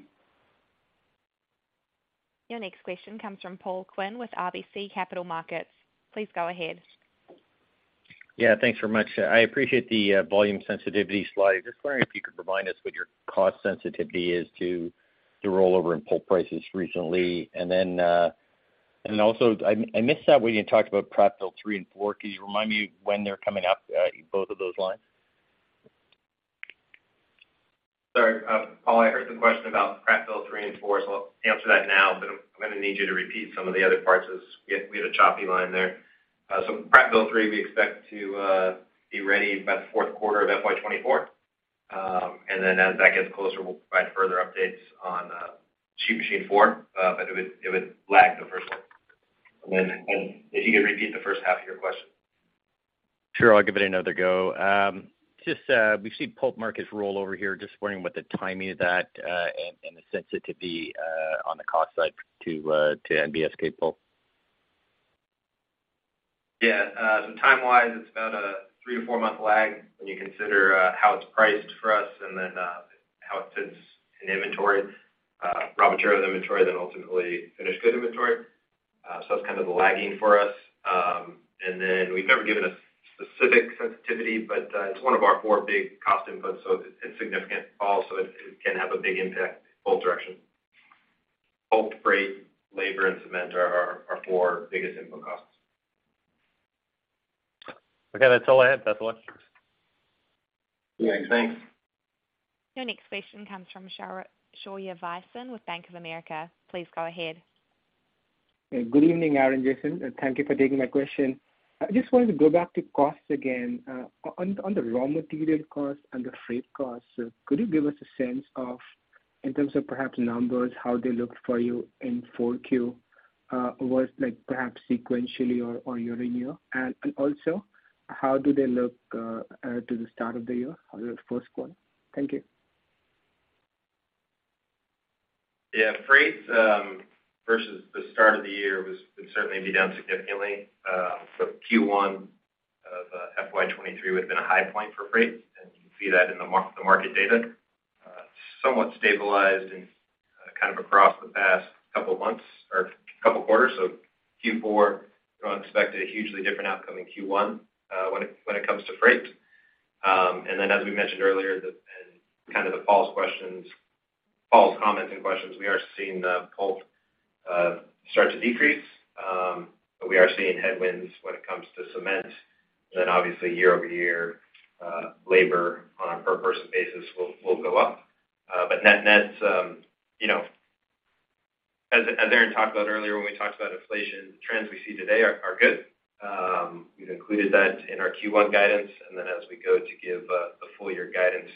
Your next question comes from Paul Quinn with RBC Capital Markets. Please go ahead. Yeah, thanks very much. I appreciate the volume sensitivity slide. Just wondering if you could provide us what your cost sensitivity is to the rollover in pulp prices recently. Also, I missed that when you talked about Prattville 3 and 4. Could you remind me when they're coming up, both of those lines? Sorry, Paul, I heard the question about Prattville 3 and 4, so I'll answer that now, but I'm gonna need you to repeat some of the other parts, as we had a choppy line there. Prattville 3, we expect to be ready by the Q4 of FY 2024. As that gets closer, we'll provide further updates on Sheet Machine 4. It would lag the 1st one. If you could repeat the first half of your question. I'll give it another go. Just, we've seen pulp markets roll over here. Just wondering what the timing of that, and the sensitivity on the cost side to NBSK pulp. Time-wise, it's about a three to four month lag when you consider how it's priced for us, how it sits in inventory, raw material inventory, ultimately finished good inventory. That's kind of the lagging for us. We've never given a specific sensitivity, it's one of our four big cost inputs, it's significant. Also, it can have a big impact both directions. Pulp, freight, labor, and cement are our four biggest input costs. Okay. That's all I had. Thanks so much. Yeah. Thanks. Your next question comes from Shaurya Visen with Bank of America. Please go ahead. Good evening, Aaron and Jason, thank you for taking my question. I just wanted to go back to costs again. On the raw material costs and the freight costs, could you give us a sense of, in terms of perhaps numbers, how they looked for you in Q4, was like perhaps sequentially or year-on-year? Also, how do they look to the start of the year or the Q1? Thank you. Yeah. Freight, versus the start of the year was certainly down significantly. Q1 of FY 2023 would've been a high point for freight, and you can see that in the market data. Somewhat stabilized in kind of across the past couple of months or couple quarters. Q4, don't expect a hugely different outcome in Q1 when it comes to freight. As we mentioned earlier, the, and kind of the false questions, false comments and questions, we are seeing the pulp start to decrease. We are seeing headwinds when it comes to cement. Obviously year-over-year, labor on a per person basis will go up. Net nets, you know, as Aaron talked about earlier, when we talked about inflation, the trends we see today are good. We've included that in our Q1 guidance, and then as we go to give a full year guidance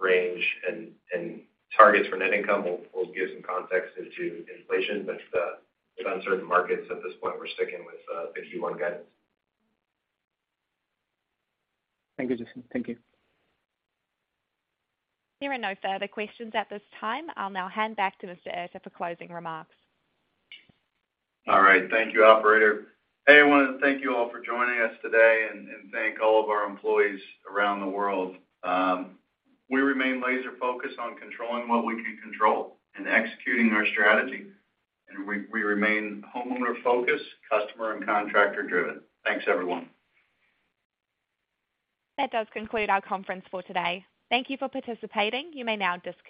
range and targets for net income, we'll give some context as to inflation. With uncertain markets at this point, we're sticking with the Q1 guidance. Thank you, Jason. Thank you. There are no further questions at this time. I'll now hand back to Mr. Erter for closing remarks. All right. Thank you, operator. Hey, I want to thank you all for joining us today and thank all of our employees around the world. We remain laser focused on controlling what we can control and executing our strategy. We remain homeowner focused, customer and contractor driven. Thanks, everyone. That does conclude our conference for today. Thank Thank you for participating. You may now disconnect.